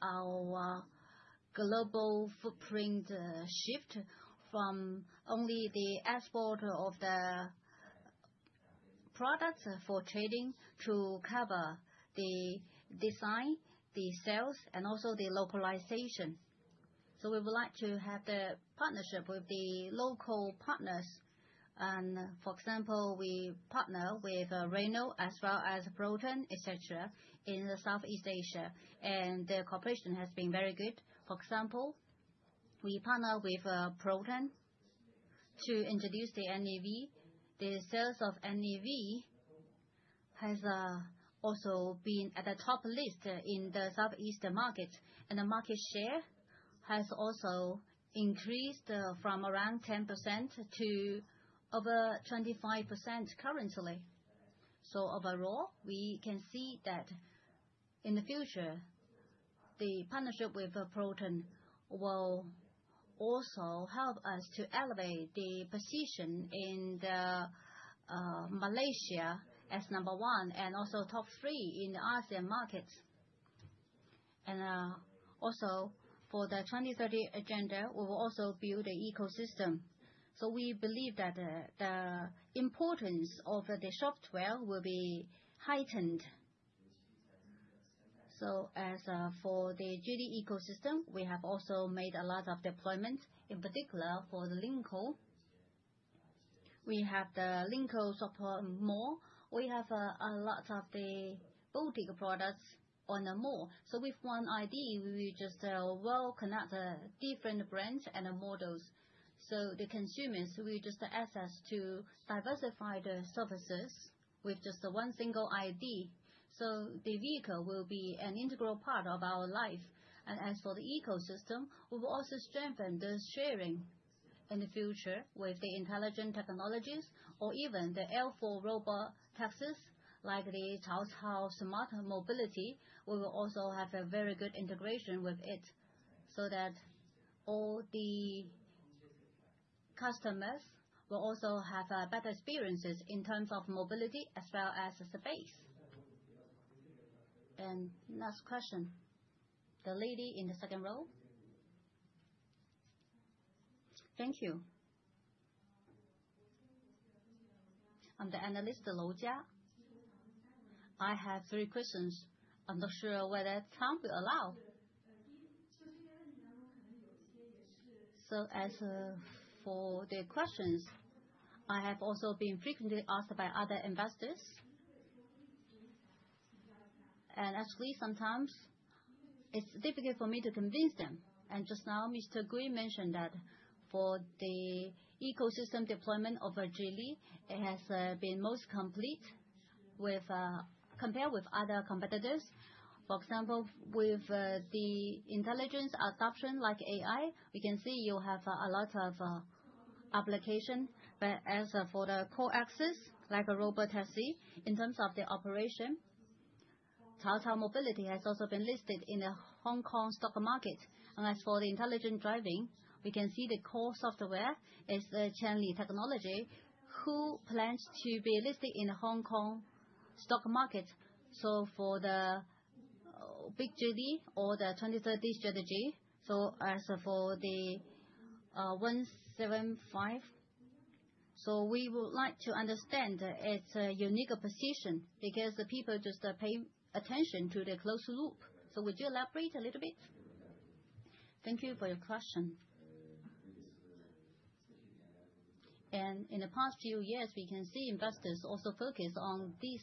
our global footprint, shift from only the export of the products for trading to cover the design, the sales, and also the localization. We would like to have the partnership with the local partners. For example, we partner with Renault as well as Proton, et cetera, in the Southeast Asia, and their cooperation has been very good. For example, we partner with Proton to introduce the NEV. The sales of NEV has also been at the top list in the Southeast market. The market share has also increased from around 10% to over 25% currently. Overall, we can see that in the future, the partnership with Proton will also help us to elevate the position in the Malaysia as number one, and also top three in ASEAN markets. Also for the 2030 agenda, we will also build a ecosystem. We believe that the importance of the software will be heightened. As for the Geely ecosystem, we have also made a lot of deployment, in particular for the Lynk & Co. We have the Lynk & Co support mall. We have a lot of the boutique products on the mall. With one ID, we will just connect different brands and models. The consumers will just access to diversify the services with just one single ID. The vehicle will be an integral part of our life. As for the ecosystem, we will also strengthen the sharing in the future with the intelligent technologies or even the L4 robot taxis, like the Cao Cao Mobility. We will also have a very good integration with it so that all the customers will also have better experiences in terms of mobility as well as the space. Last question. The lady in the second row. Thank you. I'm the analyst, Lou Jia. I have three questions. I'm not sure whether time will allow. As for the questions, I have also been frequently asked by other investors. Actually, sometimes it's difficult for me to convince them. Just now, Mr. Gui mentioned that for the ecosystem deployment over Geely, it has been most complete compared with other competitors. For example, with the intelligence adoption like AI, we can see you have a lot of application. But as for the Cao Cao, like a robotaxi, in terms of the operation, Cao Cao Mobility has also been listed in the Hong Kong stock market. As for the intelligent driving, we can see the core software is Qianli Technology, who plans to be listed in the Hong Kong stock market. For the big duty or the 2030 strategy, as for the 0175. We would like to understand its unique position because the people just pay attention to the closed loop. Would you elaborate a little bit? Thank you for your question. In the past few years, we can see investors also focus on this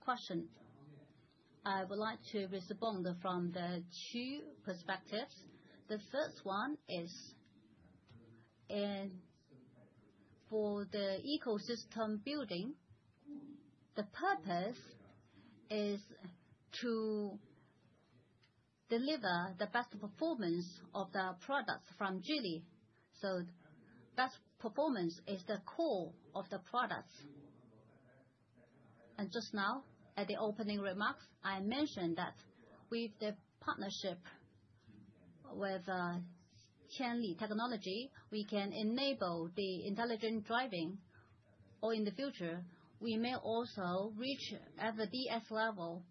question. I would like to respond from the two perspectives. The first one is for the ecosystem building, the purpose is to deliver the best performance of the products from Geely. Best performance is the core of the products. Just now, at the opening remarks, I mentioned that with the partnership with Qianli Technology, we can enable the intelligent driving, or in the future, we may also reach at the DS level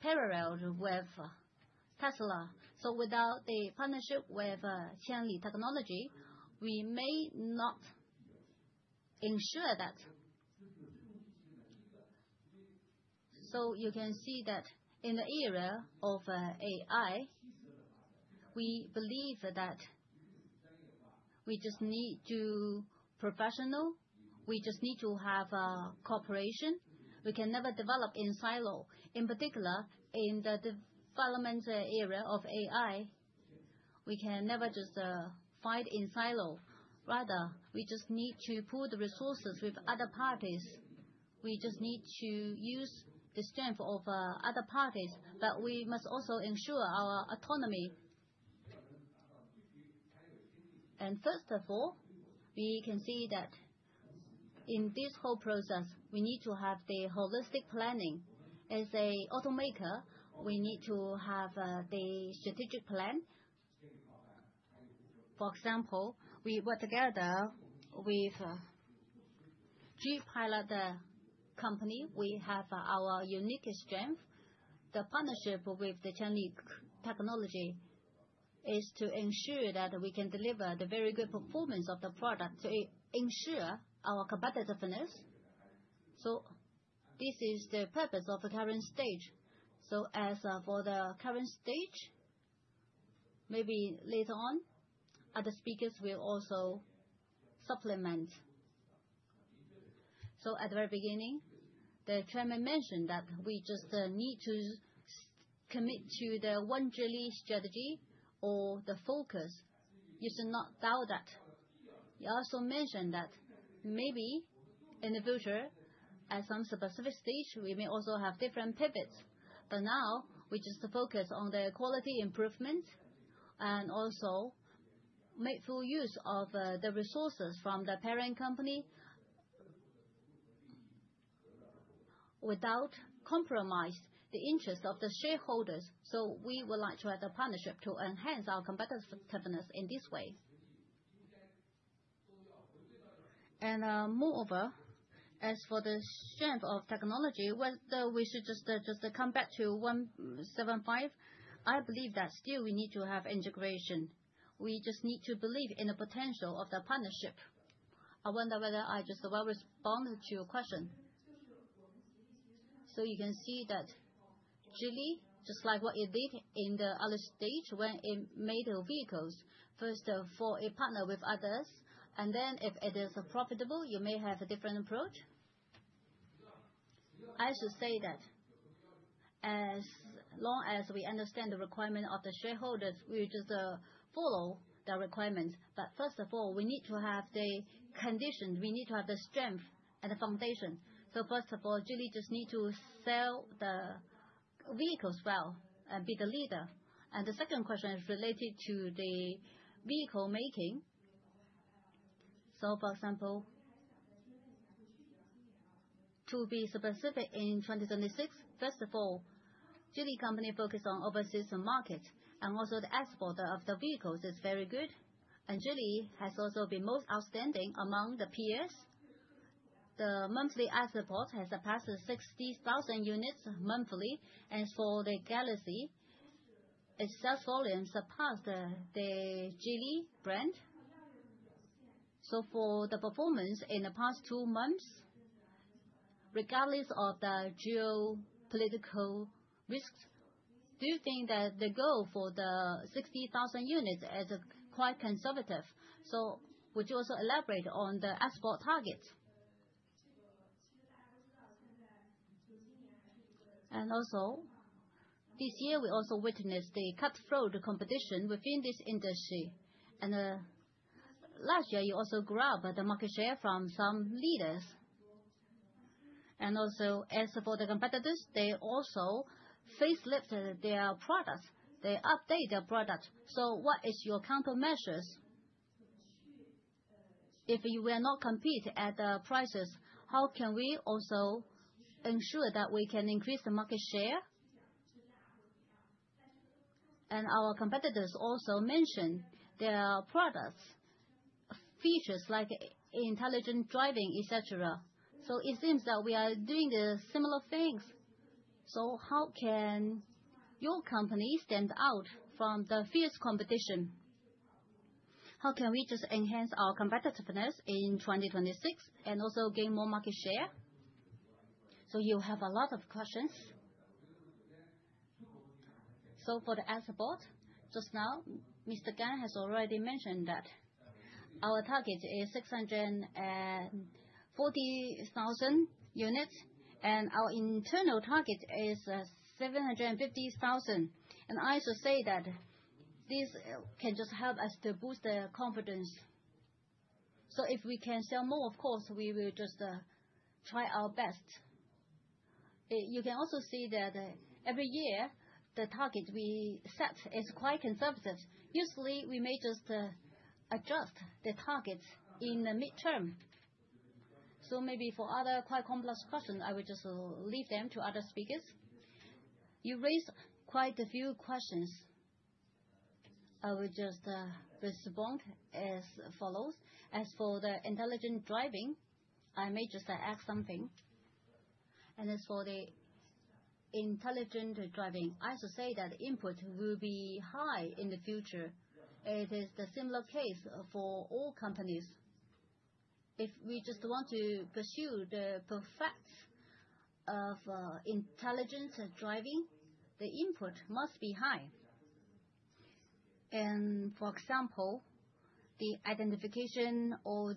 paralleled with Tesla. Without a partnership with Qianli Technology, we may not ensure that. You can see that in the era of AI, we believe that we just need to professional, we just need to have a cooperation. We can never develop in silo. In particular, in the development area of AI, we can never just fight in silo. Rather, we just need to pool the resources with other parties. We just need to use the strength of other parties, but we must also ensure our autonomy. First of all, we can see that in this whole process, we need to have the holistic planning. As an automaker, we need to have the strategic plan. For example, we work together with G-Pilot company. We have our unique strength. The partnership with the Qianli Technology is to ensure that we can deliver the very good performance of the product to ensure our competitiveness. This is the purpose of the current stage. As for the current stage, maybe later on, other speakers will also supplement. At the very beginning, the chairman mentioned that we just need to commit to the One Geely strategy or the focus. You should not doubt that. He also mentioned that maybe in the future, at some specific stage, we may also have different pivots. Now, we just focus on the quality improvement and also make full use of the resources from the parent company without compromise the interest of the shareholders. We would like to have a partnership to enhance our competitiveness in this way. Moreover, as for the strength of technology, well, we should just come back to 0175. I believe that still we need to have integration. We just need to believe in the potential of the partnership. I wonder whether I just well responded to your question. You can see that Geely, just like what you did in the other stage when it made vehicles, first, to partner with others, and then if it is profitable, you may have a different approach. I should say that as long as we understand the requirement of the shareholders, we just follow the requirements. First of all, we need to have the condition, we need to have the strength and the foundation. First of all, Geely just need to sell the vehicles well and be the leader. The second question is related to the vehicle making. For example, to be specific in 2026, first of all, Geely Company focus on overseas market, and also the export of the vehicles is very good. Geely has also been most outstanding among the peers. The monthly export has surpassed 60,000 units monthly. For the Galaxy, it successfully surpassed the Geely brand. For the performance in the past two months, regardless of the geopolitical risks, do you think that the goal for the 60,000 units is quite conservative? Would you also elaborate on the export target? This year, we also witnessed the cutthroat competition within this industry. Last year, you also grabbed the market share from some leaders. As for the competitors, they also facelift their products. They update their product. What is your countermeasures? If you will not compete at the prices, how can we also ensure that we can increase the market share? Our competitors also mention their product features like intelligent driving, et cetera. It seems that we are doing similar things. How can your company stand out from the fierce competition? How can we just enhance our competitiveness in 2026 and also gain more market share? You have a lot of questions. For the answer part, just now, Mr. Gan has already mentioned that our target is 640,000 units, and our internal target is 750,000. I just say that this can just help us to boost the confidence. If we can sell more, of course, we will just try our best. You can also see that every year, the target we set is quite conservative. Usually, we may just adjust the targets in the midterm. Maybe for other quite complex question, I would just leave them to other speakers. You raised quite a few questions. I would just respond as follows. As for the intelligent driving, I may just ask something. As for the intelligent driving, I have to say that input will be high in the future. It is the similar case for all companies. If we just want to pursue the perfect of intelligent driving, the input must be high. For example, the identification or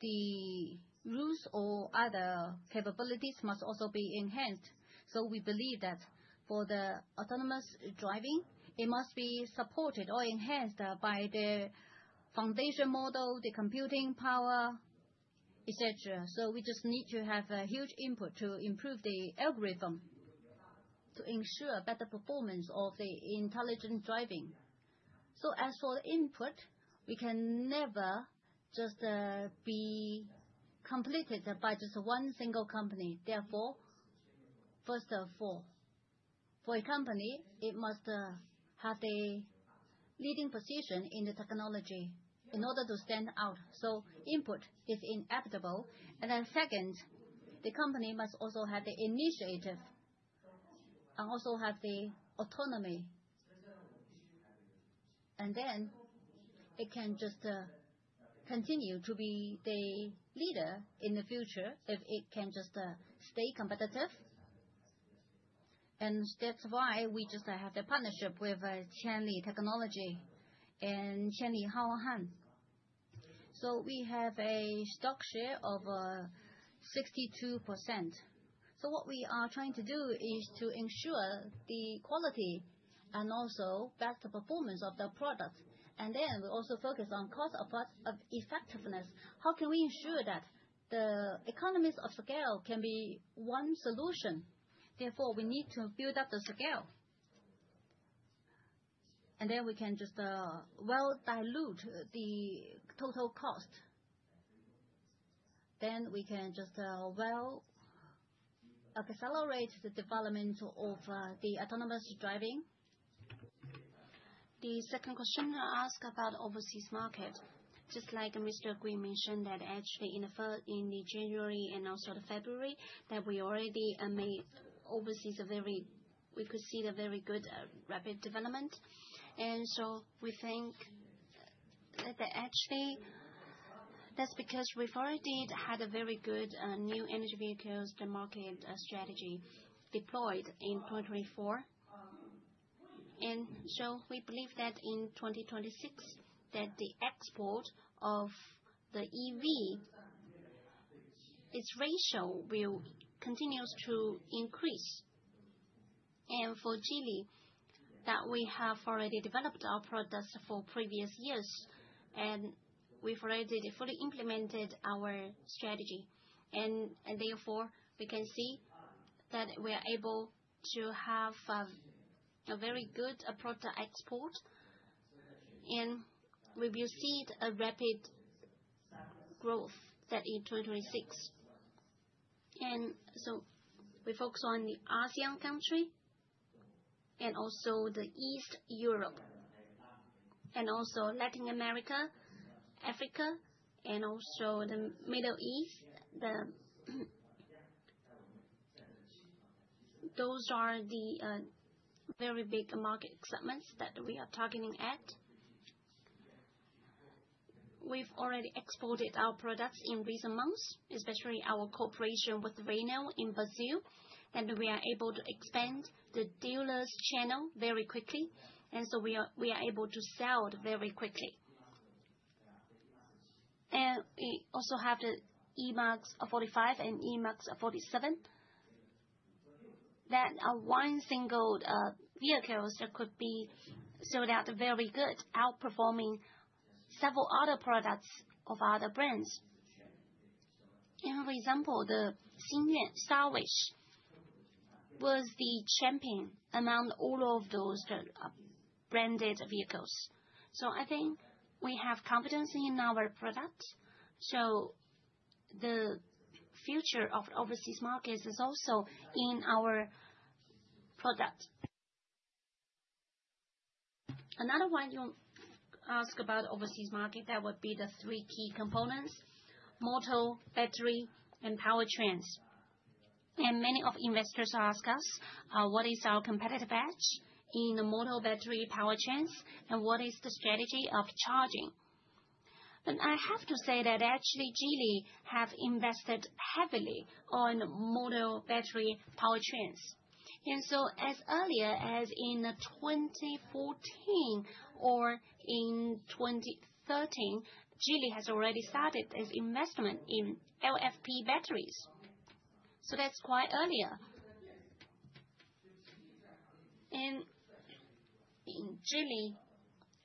the rules or other capabilities must also be enhanced. We believe that for the autonomous driving, it must be supported or enhanced by the foundation model, the computing power, et cetera. We just need to have a huge input to improve the algorithm to ensure better performance of the intelligent driving. As for input, we can never just be completed by just one single company. Therefore, first of all, for a company, it must have a leading position in the technology in order to stand out. Input is inevitable. Second, the company must also have the initiative and also have the autonomy. It can just continue to be the leader in the future if it can just stay competitive. That's why we just have the partnership with Qianli Technology and Qianli Haohan. We have a stock share of 62%. What we are trying to do is to ensure the quality and also better performance of the product. We also focus on cost-effectiveness. How can we ensure that? The economies of scale can be one solution, therefore, we need to build up the scale. We can just dilute the total cost. We can just accelerate the development of the autonomous driving. The second question I ask about overseas market. Just like Mr. Gui mentioned that actually in January and also the February, that we already made overseas a very good rapid development. We could see the very good rapid development. We think that actually, that's because we've already had a very good new energy vehicles to market strategy deployed in 2024. We believe that in 2026, that the export of the EV, its ratio will continues to increase. For Geely, that we have already developed our products for previous years, and we've already fully implemented our strategy. Therefore, we can see that we are able to have a very good product export, and we will see the rapid growth that in 2026. We focus on the ASEAN country and also Eastern Europe and also Latin America, Africa and also the Middle East. Those are the very big market segments that we are targeting at. We've already exported our products in recent months, especially our cooperation with Renault in Brazil, and we are able to expand the dealers channel very quickly. We are able to sell very quickly. We also have the Emgrand 45 and Emgrand 47. That one single vehicles that could be sold out very well, outperforming several other products of other brands. Here for example, the Xingyuan Star Wish was the champion among all of those branded vehicles. I think we have competitiveness in our product. The future of overseas markets is also in our product. Another one you ask about overseas market, that would be the three key components, motor, battery, and powertrains. Many investors ask us, what is our competitive edge in the motor, battery, powertrains, and what is the strategy of charging? I have to say that actually, Geely have invested heavily in motor, battery, powertrains. As early as in 2014 or in 2013, Geely has already started its investment in LFP batteries. That's quite early.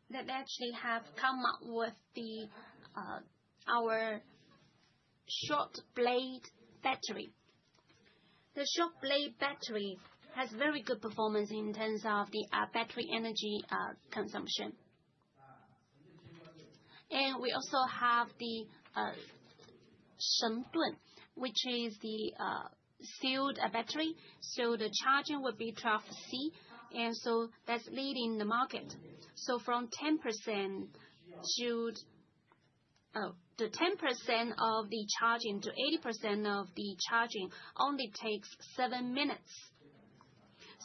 They actually have come up with our Short Blade Battery. The Short Blade Battery has very good performance in terms of the battery energy consumption. We also have the Shendun, which is the sealed battery. The charging will be 12C, and that's leading the market. From 10% to the 10% of the charging to 80% of the charging only takes 7 minutes.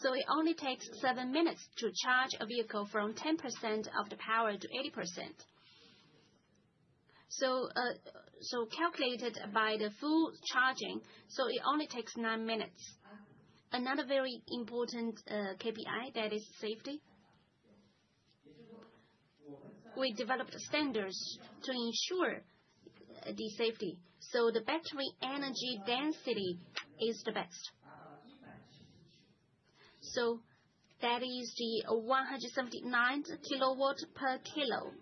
It only takes 7 minutes to charge a vehicle from 10% of the power to 80%. Calculated by the full charging, it only takes 9 minutes. Another very important KPI, that is safety. We developed standards to ensure the safety. The battery energy density is the best. That is 179 kWh/kg.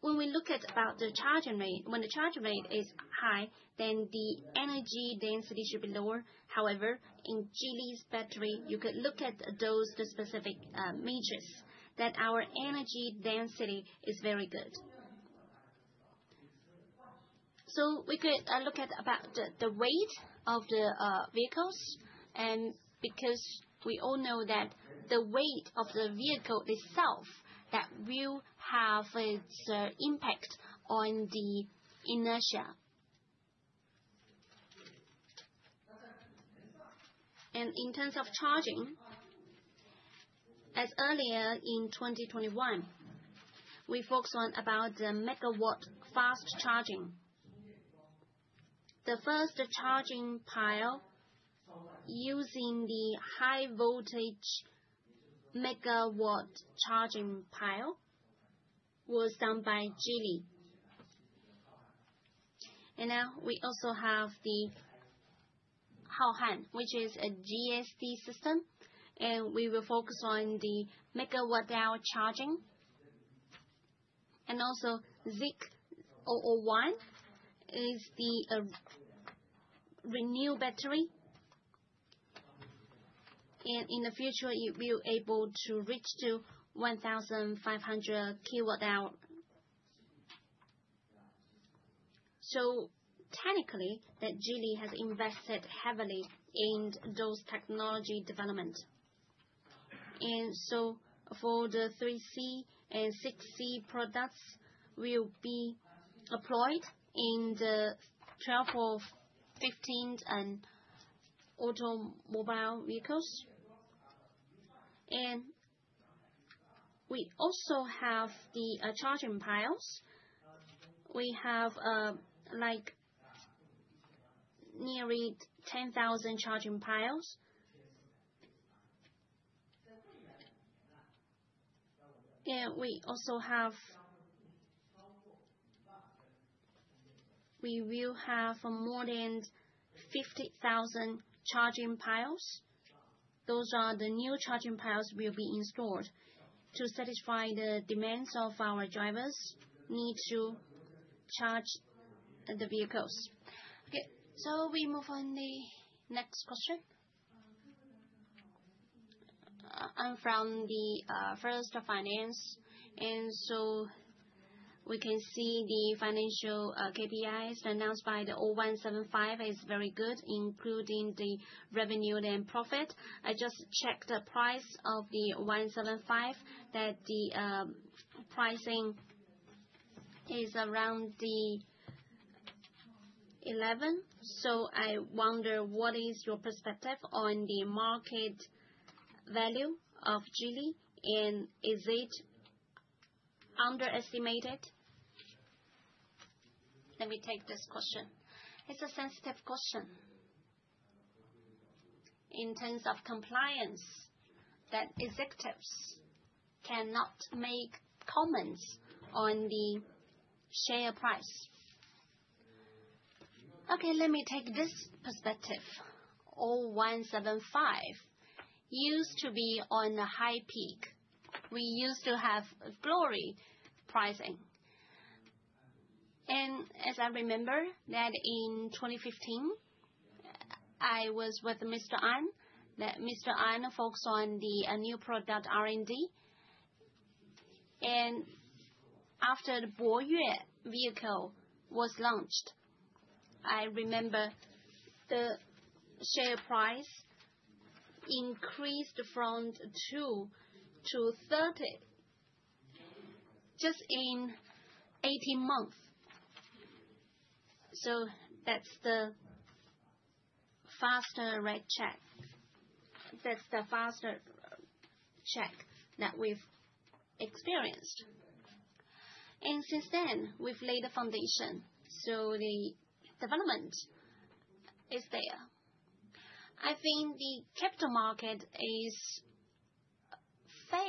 When we look at about the charging rate, when the charging rate is high, then the energy density should be lower. However, in Geely's battery, you could look at those specific measures that our energy density is very good. We could look at about the weight of the vehicles, and because we all know that the weight of the vehicle itself, that will have its impact on the inertia. In terms of charging, as early as in 2021, we focused on about the megawatt fast charging. The first charging pile using the high voltage megawatt charging pile was done by Geely. Now we also have the Haohan, which is a GST system, and we will focus on the megawatt-hour charging. Also, Zeekr 001 is the new battery. In the future, it will be able to reach 1,500 kWh. Technically, Geely has invested heavily in those technology developments. For the 3C and 6C products will be applied in the travel of fifteen and automobile vehicles. We also have the charging piles. We have nearly 10,000 charging piles. We will have more than 50,000 charging piles. Those new charging piles will be installed to satisfy the demands of our drivers' need to charge the vehicles. Okay, we move on to the next question. I'm from First Finance. We can see the financial KPIs announced by the 0175 is very good, including the revenue and profit. I just checked the price of the 0175, that the pricing is around 11. I wonder, what is your perspective on the market value of Geely, and is it underestimated? Let me take this question. It's a sensitive question. In terms of compliance, executives cannot make comments on the share price. Okay, let me take this perspective. 0175 used to be on a high P/E. We used to have glorious pricing. As I remember that in 2015, I was with Mr. An, that Mr. An focused on the new product R&D. After the Boyue vehicle was launched, I remember the share price increased from 2 to 30 just in 18 months. That's the fastest rise that we've experienced. Since then, we've laid the foundation, so the development is there. I think the capital market is fair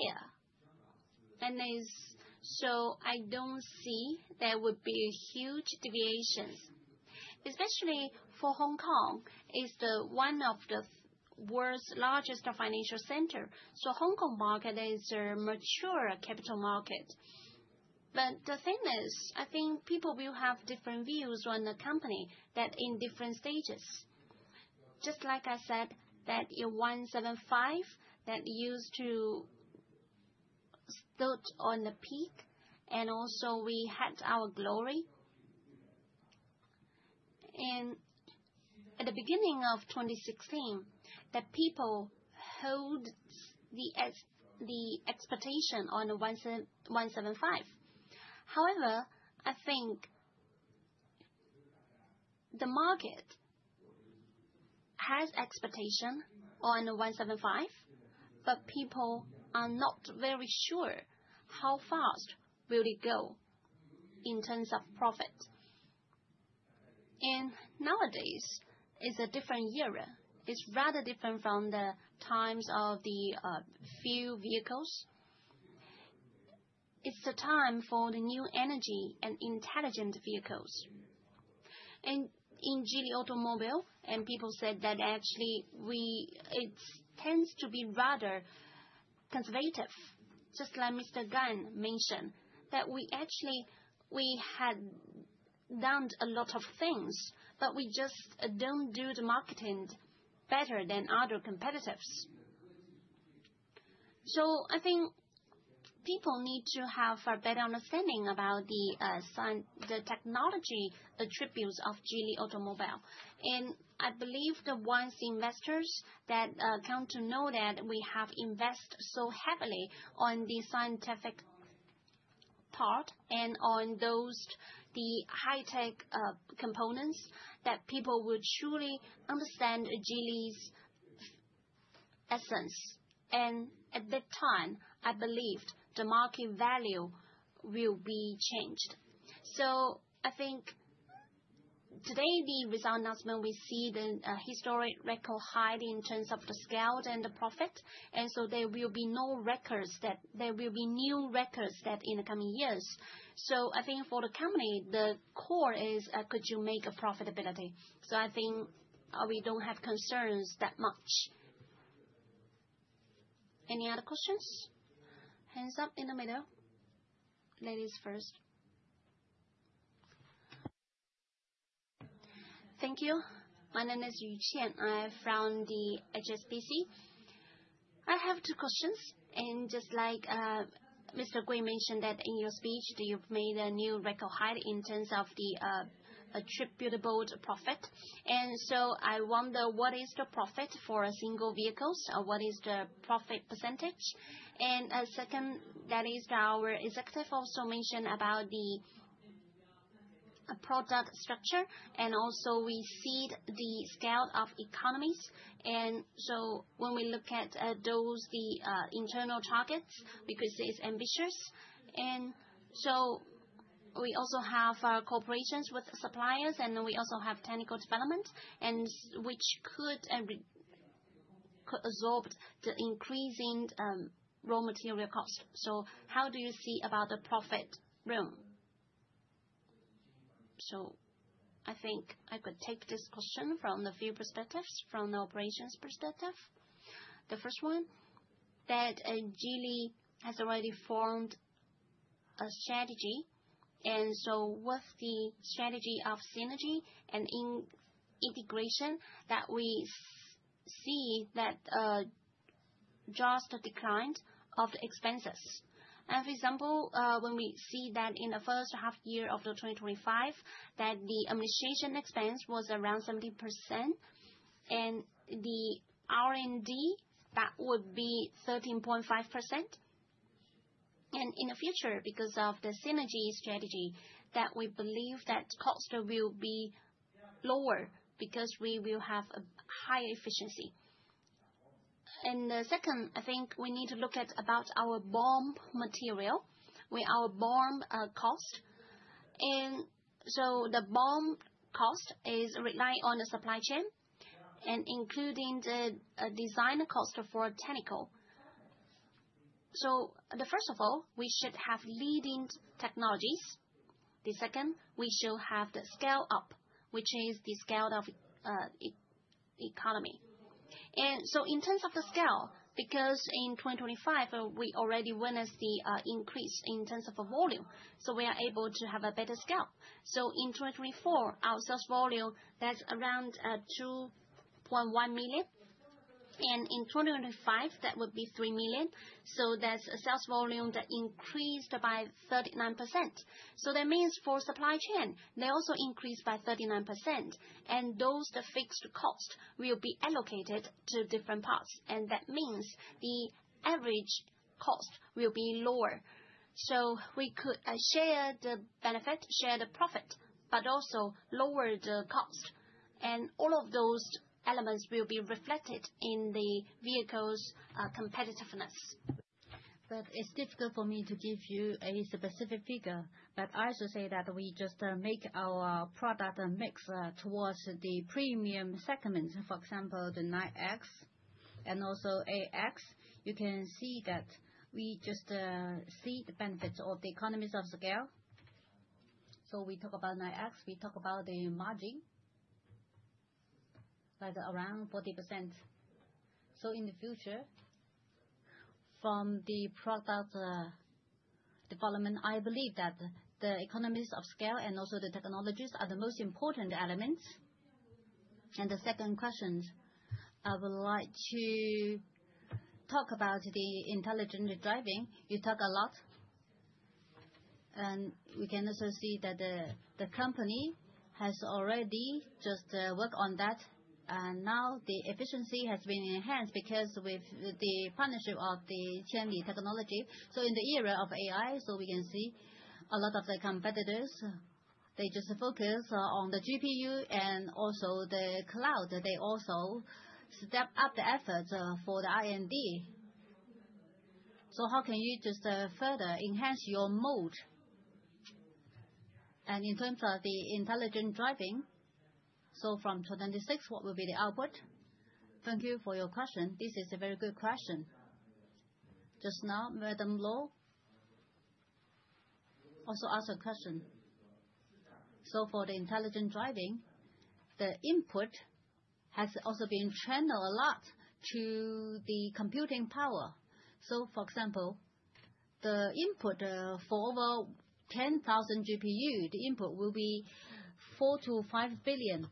and is. I don't see there would be huge deviations, especially for Hong Kong, is the one of the world's largest financial center. Hong Kong market is a mature capital market. The thing is, I think people will have different views on the company that in different stages. Just like I said, that in 0175, that used to stood on the peak, and also we had our glory. At the beginning of 2016, the people hold the expectation on 0175. However, I think the market has expectation on 0175, but people are not very sure how fast will it go in terms of profit. Nowadays, it's a different era. It's rather different from the times of the few vehicles. It's the time for the new energy and intelligent vehicles. In Geely Automobile, people said that actually it tends to be rather conservative, just like Mr. Gan mentioned, that we actually had done a lot of things, but we just don't do the marketing better than other competitors. I think people need to have a better understanding about the technology attributes of Geely Automobile. I believe the wise investors that come to know that we have invest so heavily on the scientific part and on those the high-tech components, that people will truly understand Geely's essence. At that time, I believed the market value will be changed. I think today the result announcement, we see the historic record high in terms of the scale and the profit, and there will be new records in the coming years. I think for the company, the core is, could you make a profitability? I think we don't have concerns that much. Any other questions? Hands up in the middle. Ladies first. Thank you. My name is Yuqian. I'm from the HSBC. I have two questions. Just like Mr. Gui mentioned that in your speech that you've made a new record high in terms of the attributable profit. I wonder what is the profit for a single vehicles? What is the profit percentage? Second, that is our executive also mentioned about the product structure, and also we see the economies of scale. When we look at those internal targets, because it's ambitious. We also have corporations with suppliers, and we also have technical development and which could absorb the increasing raw material costs. How do you see about the profit room? I think I could take this question from a few perspectives, from the operations perspective. The first one, that Geely has already formed a strategy. With the strategy of synergy and integration that we see that drives the declines of the expenses. For example, when we see that in the first half year of 2025, that the administration expense was around 70% and the R&D, that would be 13.5%. In the future, because of the synergy strategy, that we believe that costs will be lower because we will have a higher efficiency. The second, I think we need to look at about our BOM material. With our BOM, cost. The BOM cost is relying on the supply chain and including the, design cost for technical. The first of all, we should have leading technologies. The second, we should have the scale up, which is the scale of, economy. In terms of the scale, because in 2025, we already witness the, increase in terms of volume, so we are able to have a better scale. In 2024, our sales volume, that's around, 2.1 million, and in 2025, that would be 3 million. That's a sales volume that increased by 39%. That means for supply chain, they also increased by 39%. Those are fixed costs will be allocated to different parts. That means the average cost will be lower. We could share the benefit, share the profit, but also lower the cost. All of those elements will be reflected in the vehicle's competitiveness. It's difficult for me to give you any specific figure. I should say that we just make our product mix towards the premium segment, for example, the Zeekr 9X and also Zeekr 8X. You can see that we just see the benefits of the economies of scale. We talk about Zeekr 9X, we talk about the margin, like around 40%. In the future, from the product development, I believe that the economies of scale and also the technologies are the most important elements. The second question, I would like to talk about the intelligent driving. You talk a lot, and we can also see that the company has already just worked on that. Now the efficiency has been enhanced because with the partnership of the Qianli Technology. In the era of AI, we can see a lot of the competitors, they just focus on the GPU and also the cloud. They also step up the efforts for the R&D. How can you just further enhance your moat? In terms of the intelligent driving, from 2026, what will be the output? Thank you for your question. This is a very good question. Just now, Madam Lou also asked a question. For the intelligent driving, the input has also been channeled a lot to the computing power. For example, the input for over 10,000 GPU, the input will be 4 billion-5 billion.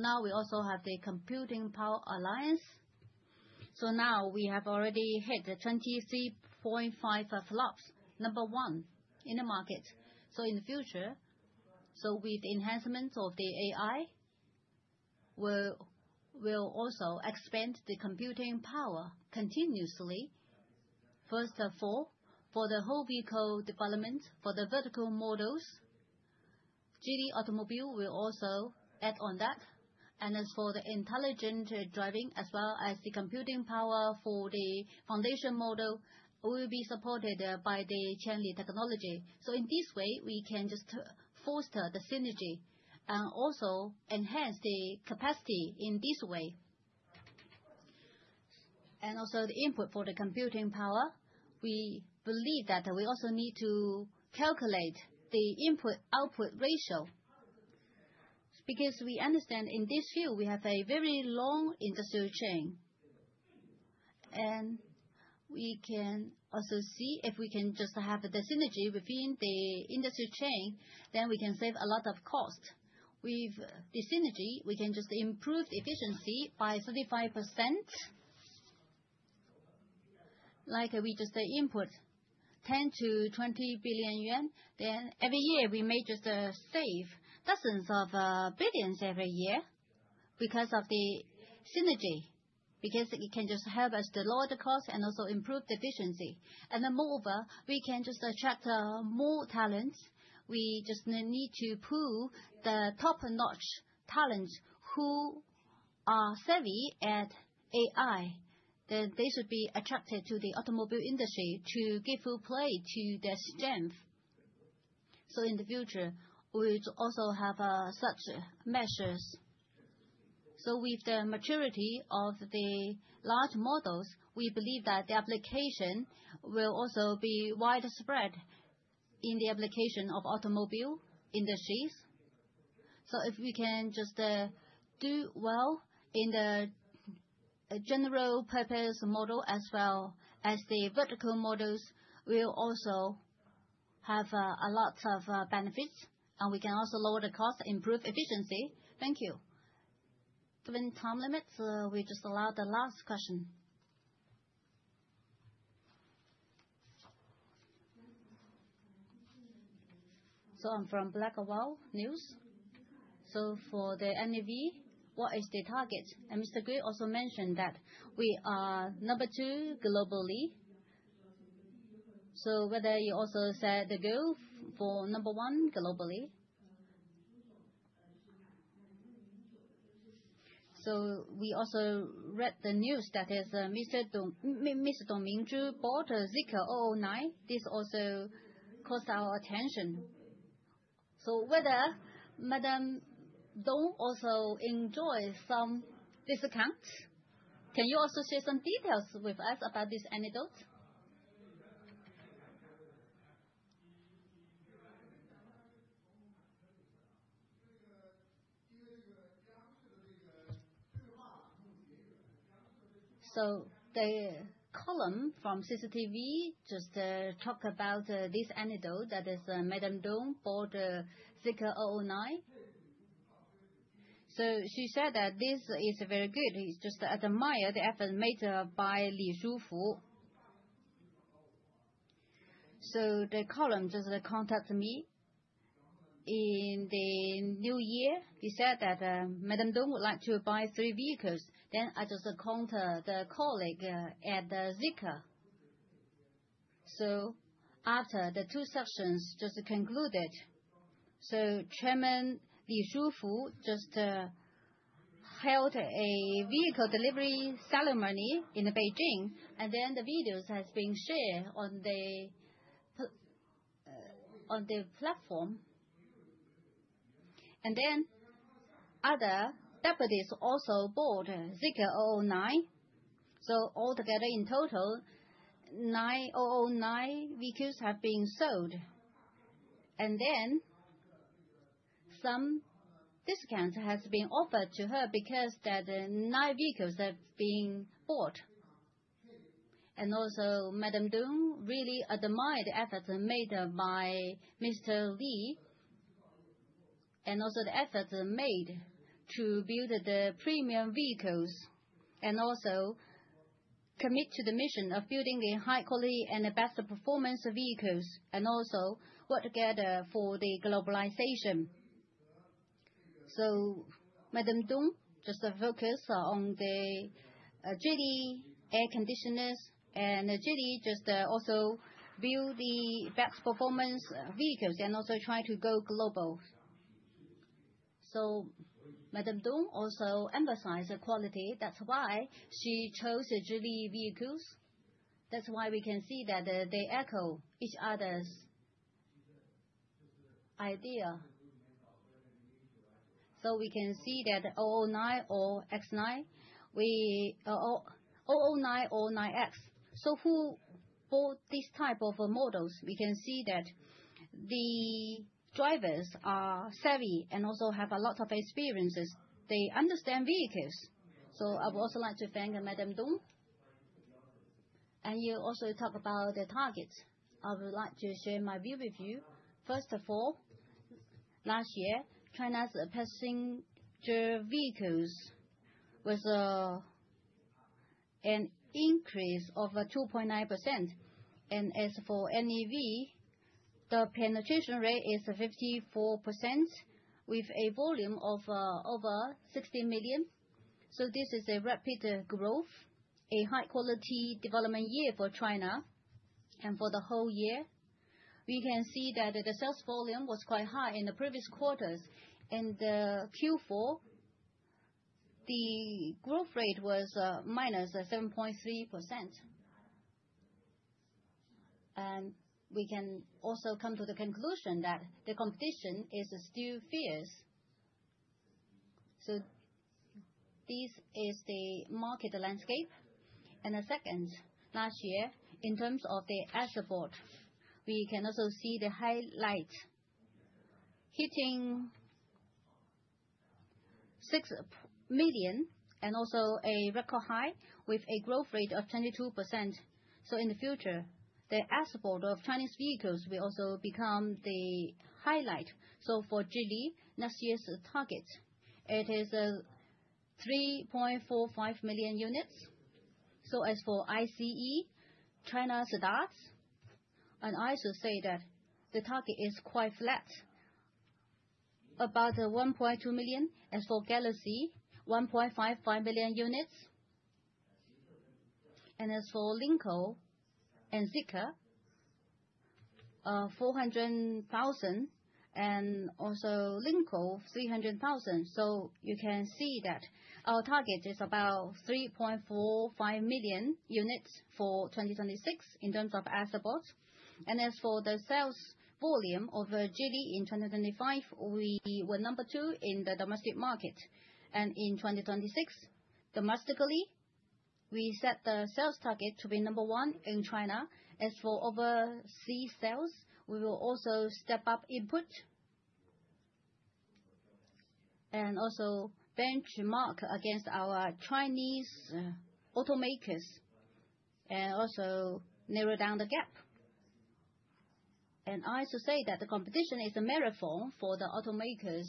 Now we also have the computing power alliance. Now we have already hit the 23.5 EFLOPS, number one in the market. In the future, with the enhancements of the AI, we'll also expand the computing power continuously. First of all, for the whole vehicle development, for the vertical models, Geely Automobile will also add on that. As for the intelligent driving, as well as the computing power for the foundation model, will be supported by Qianli Technology. In this way, we can just foster the synergy and also enhance the capacity in this way. The input for the computing power, we believe that we also need to calculate the input-output ratio. Because we understand in this field, we have a very long industrial chain. We can also see if we can just have the synergy within the industry chain, then we can save a lot of cost. With the synergy, we can just improve efficiency by 35%. Like we just input 10-20 billion yuan. Every year, we may just save dozens of billions every year because of the synergy, because it can just help us to lower the cost and also improve the efficiency. Moreover, we can just attract more talents. We just need to pool the top-notch talents who are savvy at AI. That they should be attracted to the automobile industry to give full play to their strength. In the future, we'll also have such measures. With the maturity of the large models, we believe that the application will also be widespread in the application of automobile industries. If we can just do well in the general purpose model as well as the vertical models, we'll also have a lot of benefits, and we can also lower the cost, improve efficiency. Thank you. Given time limits, we just allow the last question. I'm from Black Wall News. For the NAV, what is the target? And Mr. Gui also mentioned that we are number two globally. Whether you also set the goal for number one globally. We also read the news that is Dong Mingzhu bought Zeekr 009. This also caught our attention. Whether Madam Dong also enjoy some discount. Can you also share some details with us about this anecdote? The column from CCTV just talks about this anecdote that Madam Dong bought Zeekr 009. She said that this is very good. It just admires the effort made by Li Shufu. The column just contacted me in the new year. They said that Madam Dong would like to buy three vehicles. I just contacted the colleague at Zeekr. After the two sessions just concluded. Chairman Li Shufu just held a vehicle delivery ceremony in Beijing, and then the videos have been shared on the platform. Other deputies also bought Zeekr 009. All together in total, nine 009 vehicles have been sold. Some discount has been offered to her because nine vehicles have been bought. Madam Dong really admired the efforts made by Mr. Li, and the efforts made to build the premium vehicles. Commit to the mission of building the high quality and the best performance vehicles. Work together for the globalization. Madam Dong just focus on the Geely air conditioners. Geely just also build the best performance vehicles and also try to go global. Madam Dong also emphasize the quality. That's why she chose the Geely vehicles. That's why we can see that they echo each other's idea. We can see that 009 or 9X. Who bought this type of models, we can see that the drivers are savvy and also have a lot of experiences. They understand vehicles. I would also like to thank Madam Dong. You also talk about the targets. I would like to share my view with you. First of all, last year, China's passenger vehicles was an increase of 2.9%. As for NEV, the penetration rate is 54% with a volume of over 60 million. This is a rapid growth, a high quality development year for China and for the whole year. We can see that the sales volume was quite high in the previous quarters. In the Q4, the growth rate was minus 7.3%. We can also come to the conclusion that the competition is still fierce. This is the market landscape. The second, last year, in terms of the export, we can also see the highlight hitting 6 million and also a record high with a growth rate of 22%. In the future, the export of Chinese vehicles will also become the highlight. For Geely, last year's target, it is 3.45 million units. As for ICE China sedans. I should say that the target is quite flat, about 1.2 million. As for Galaxy, 1.55 million units. As for Lynk & Co and Zeekr, 400,000 and also Lynk & Co, 300,000. You can see that our target is about 3.45 million units for 2026 in terms of exports. As for the sales volume of Geely in 2025, we were number 2 in the domestic market. In 2026, domestically, we set the sales target to be number 1 in China. As for overseas sales, we will also step up input. Also benchmark against our Chinese automakers, and also narrow down the gap. I should say that the competition is a marathon for the automakers.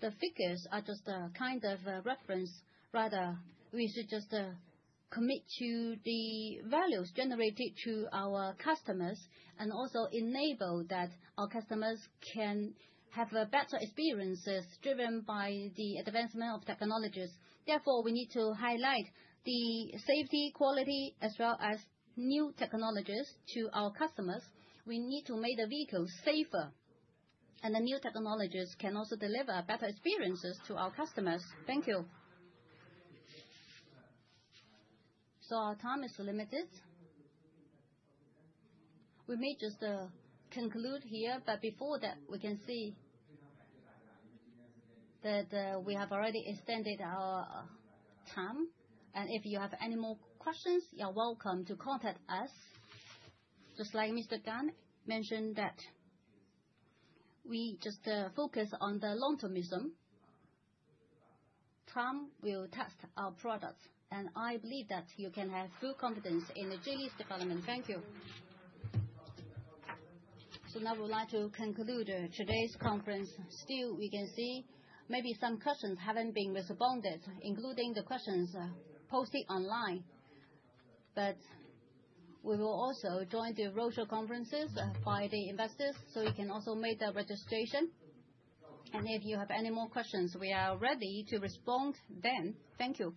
The figures are just a kind of a reference. Rather, we should just commit to the values generated to our customers, and also enable that our customers can have better experiences driven by the advancement of technologies. Therefore, we need to highlight the safety, quality, as well as new technologies to our customers. We need to make the vehicles safer. The new technologies can also deliver better experiences to our customers. Thank you. Our time is limited. We may just conclude here, but before that, we can see that we have already extended our time. If you have any more questions, you are welcome to contact us. Just like Mr. Gan mentioned that we just focus on the long-termism. Time will test our products, and I believe that you can have full confidence in the Geely's development. Thank you. Now I would like to conclude today's conference. Still, we can see maybe some questions haven't been responded, including the questions posted online. We will also join the roadshow conferences by the investors, so you can also make the registration. If you have any more questions, we are ready to respond then. Thank you.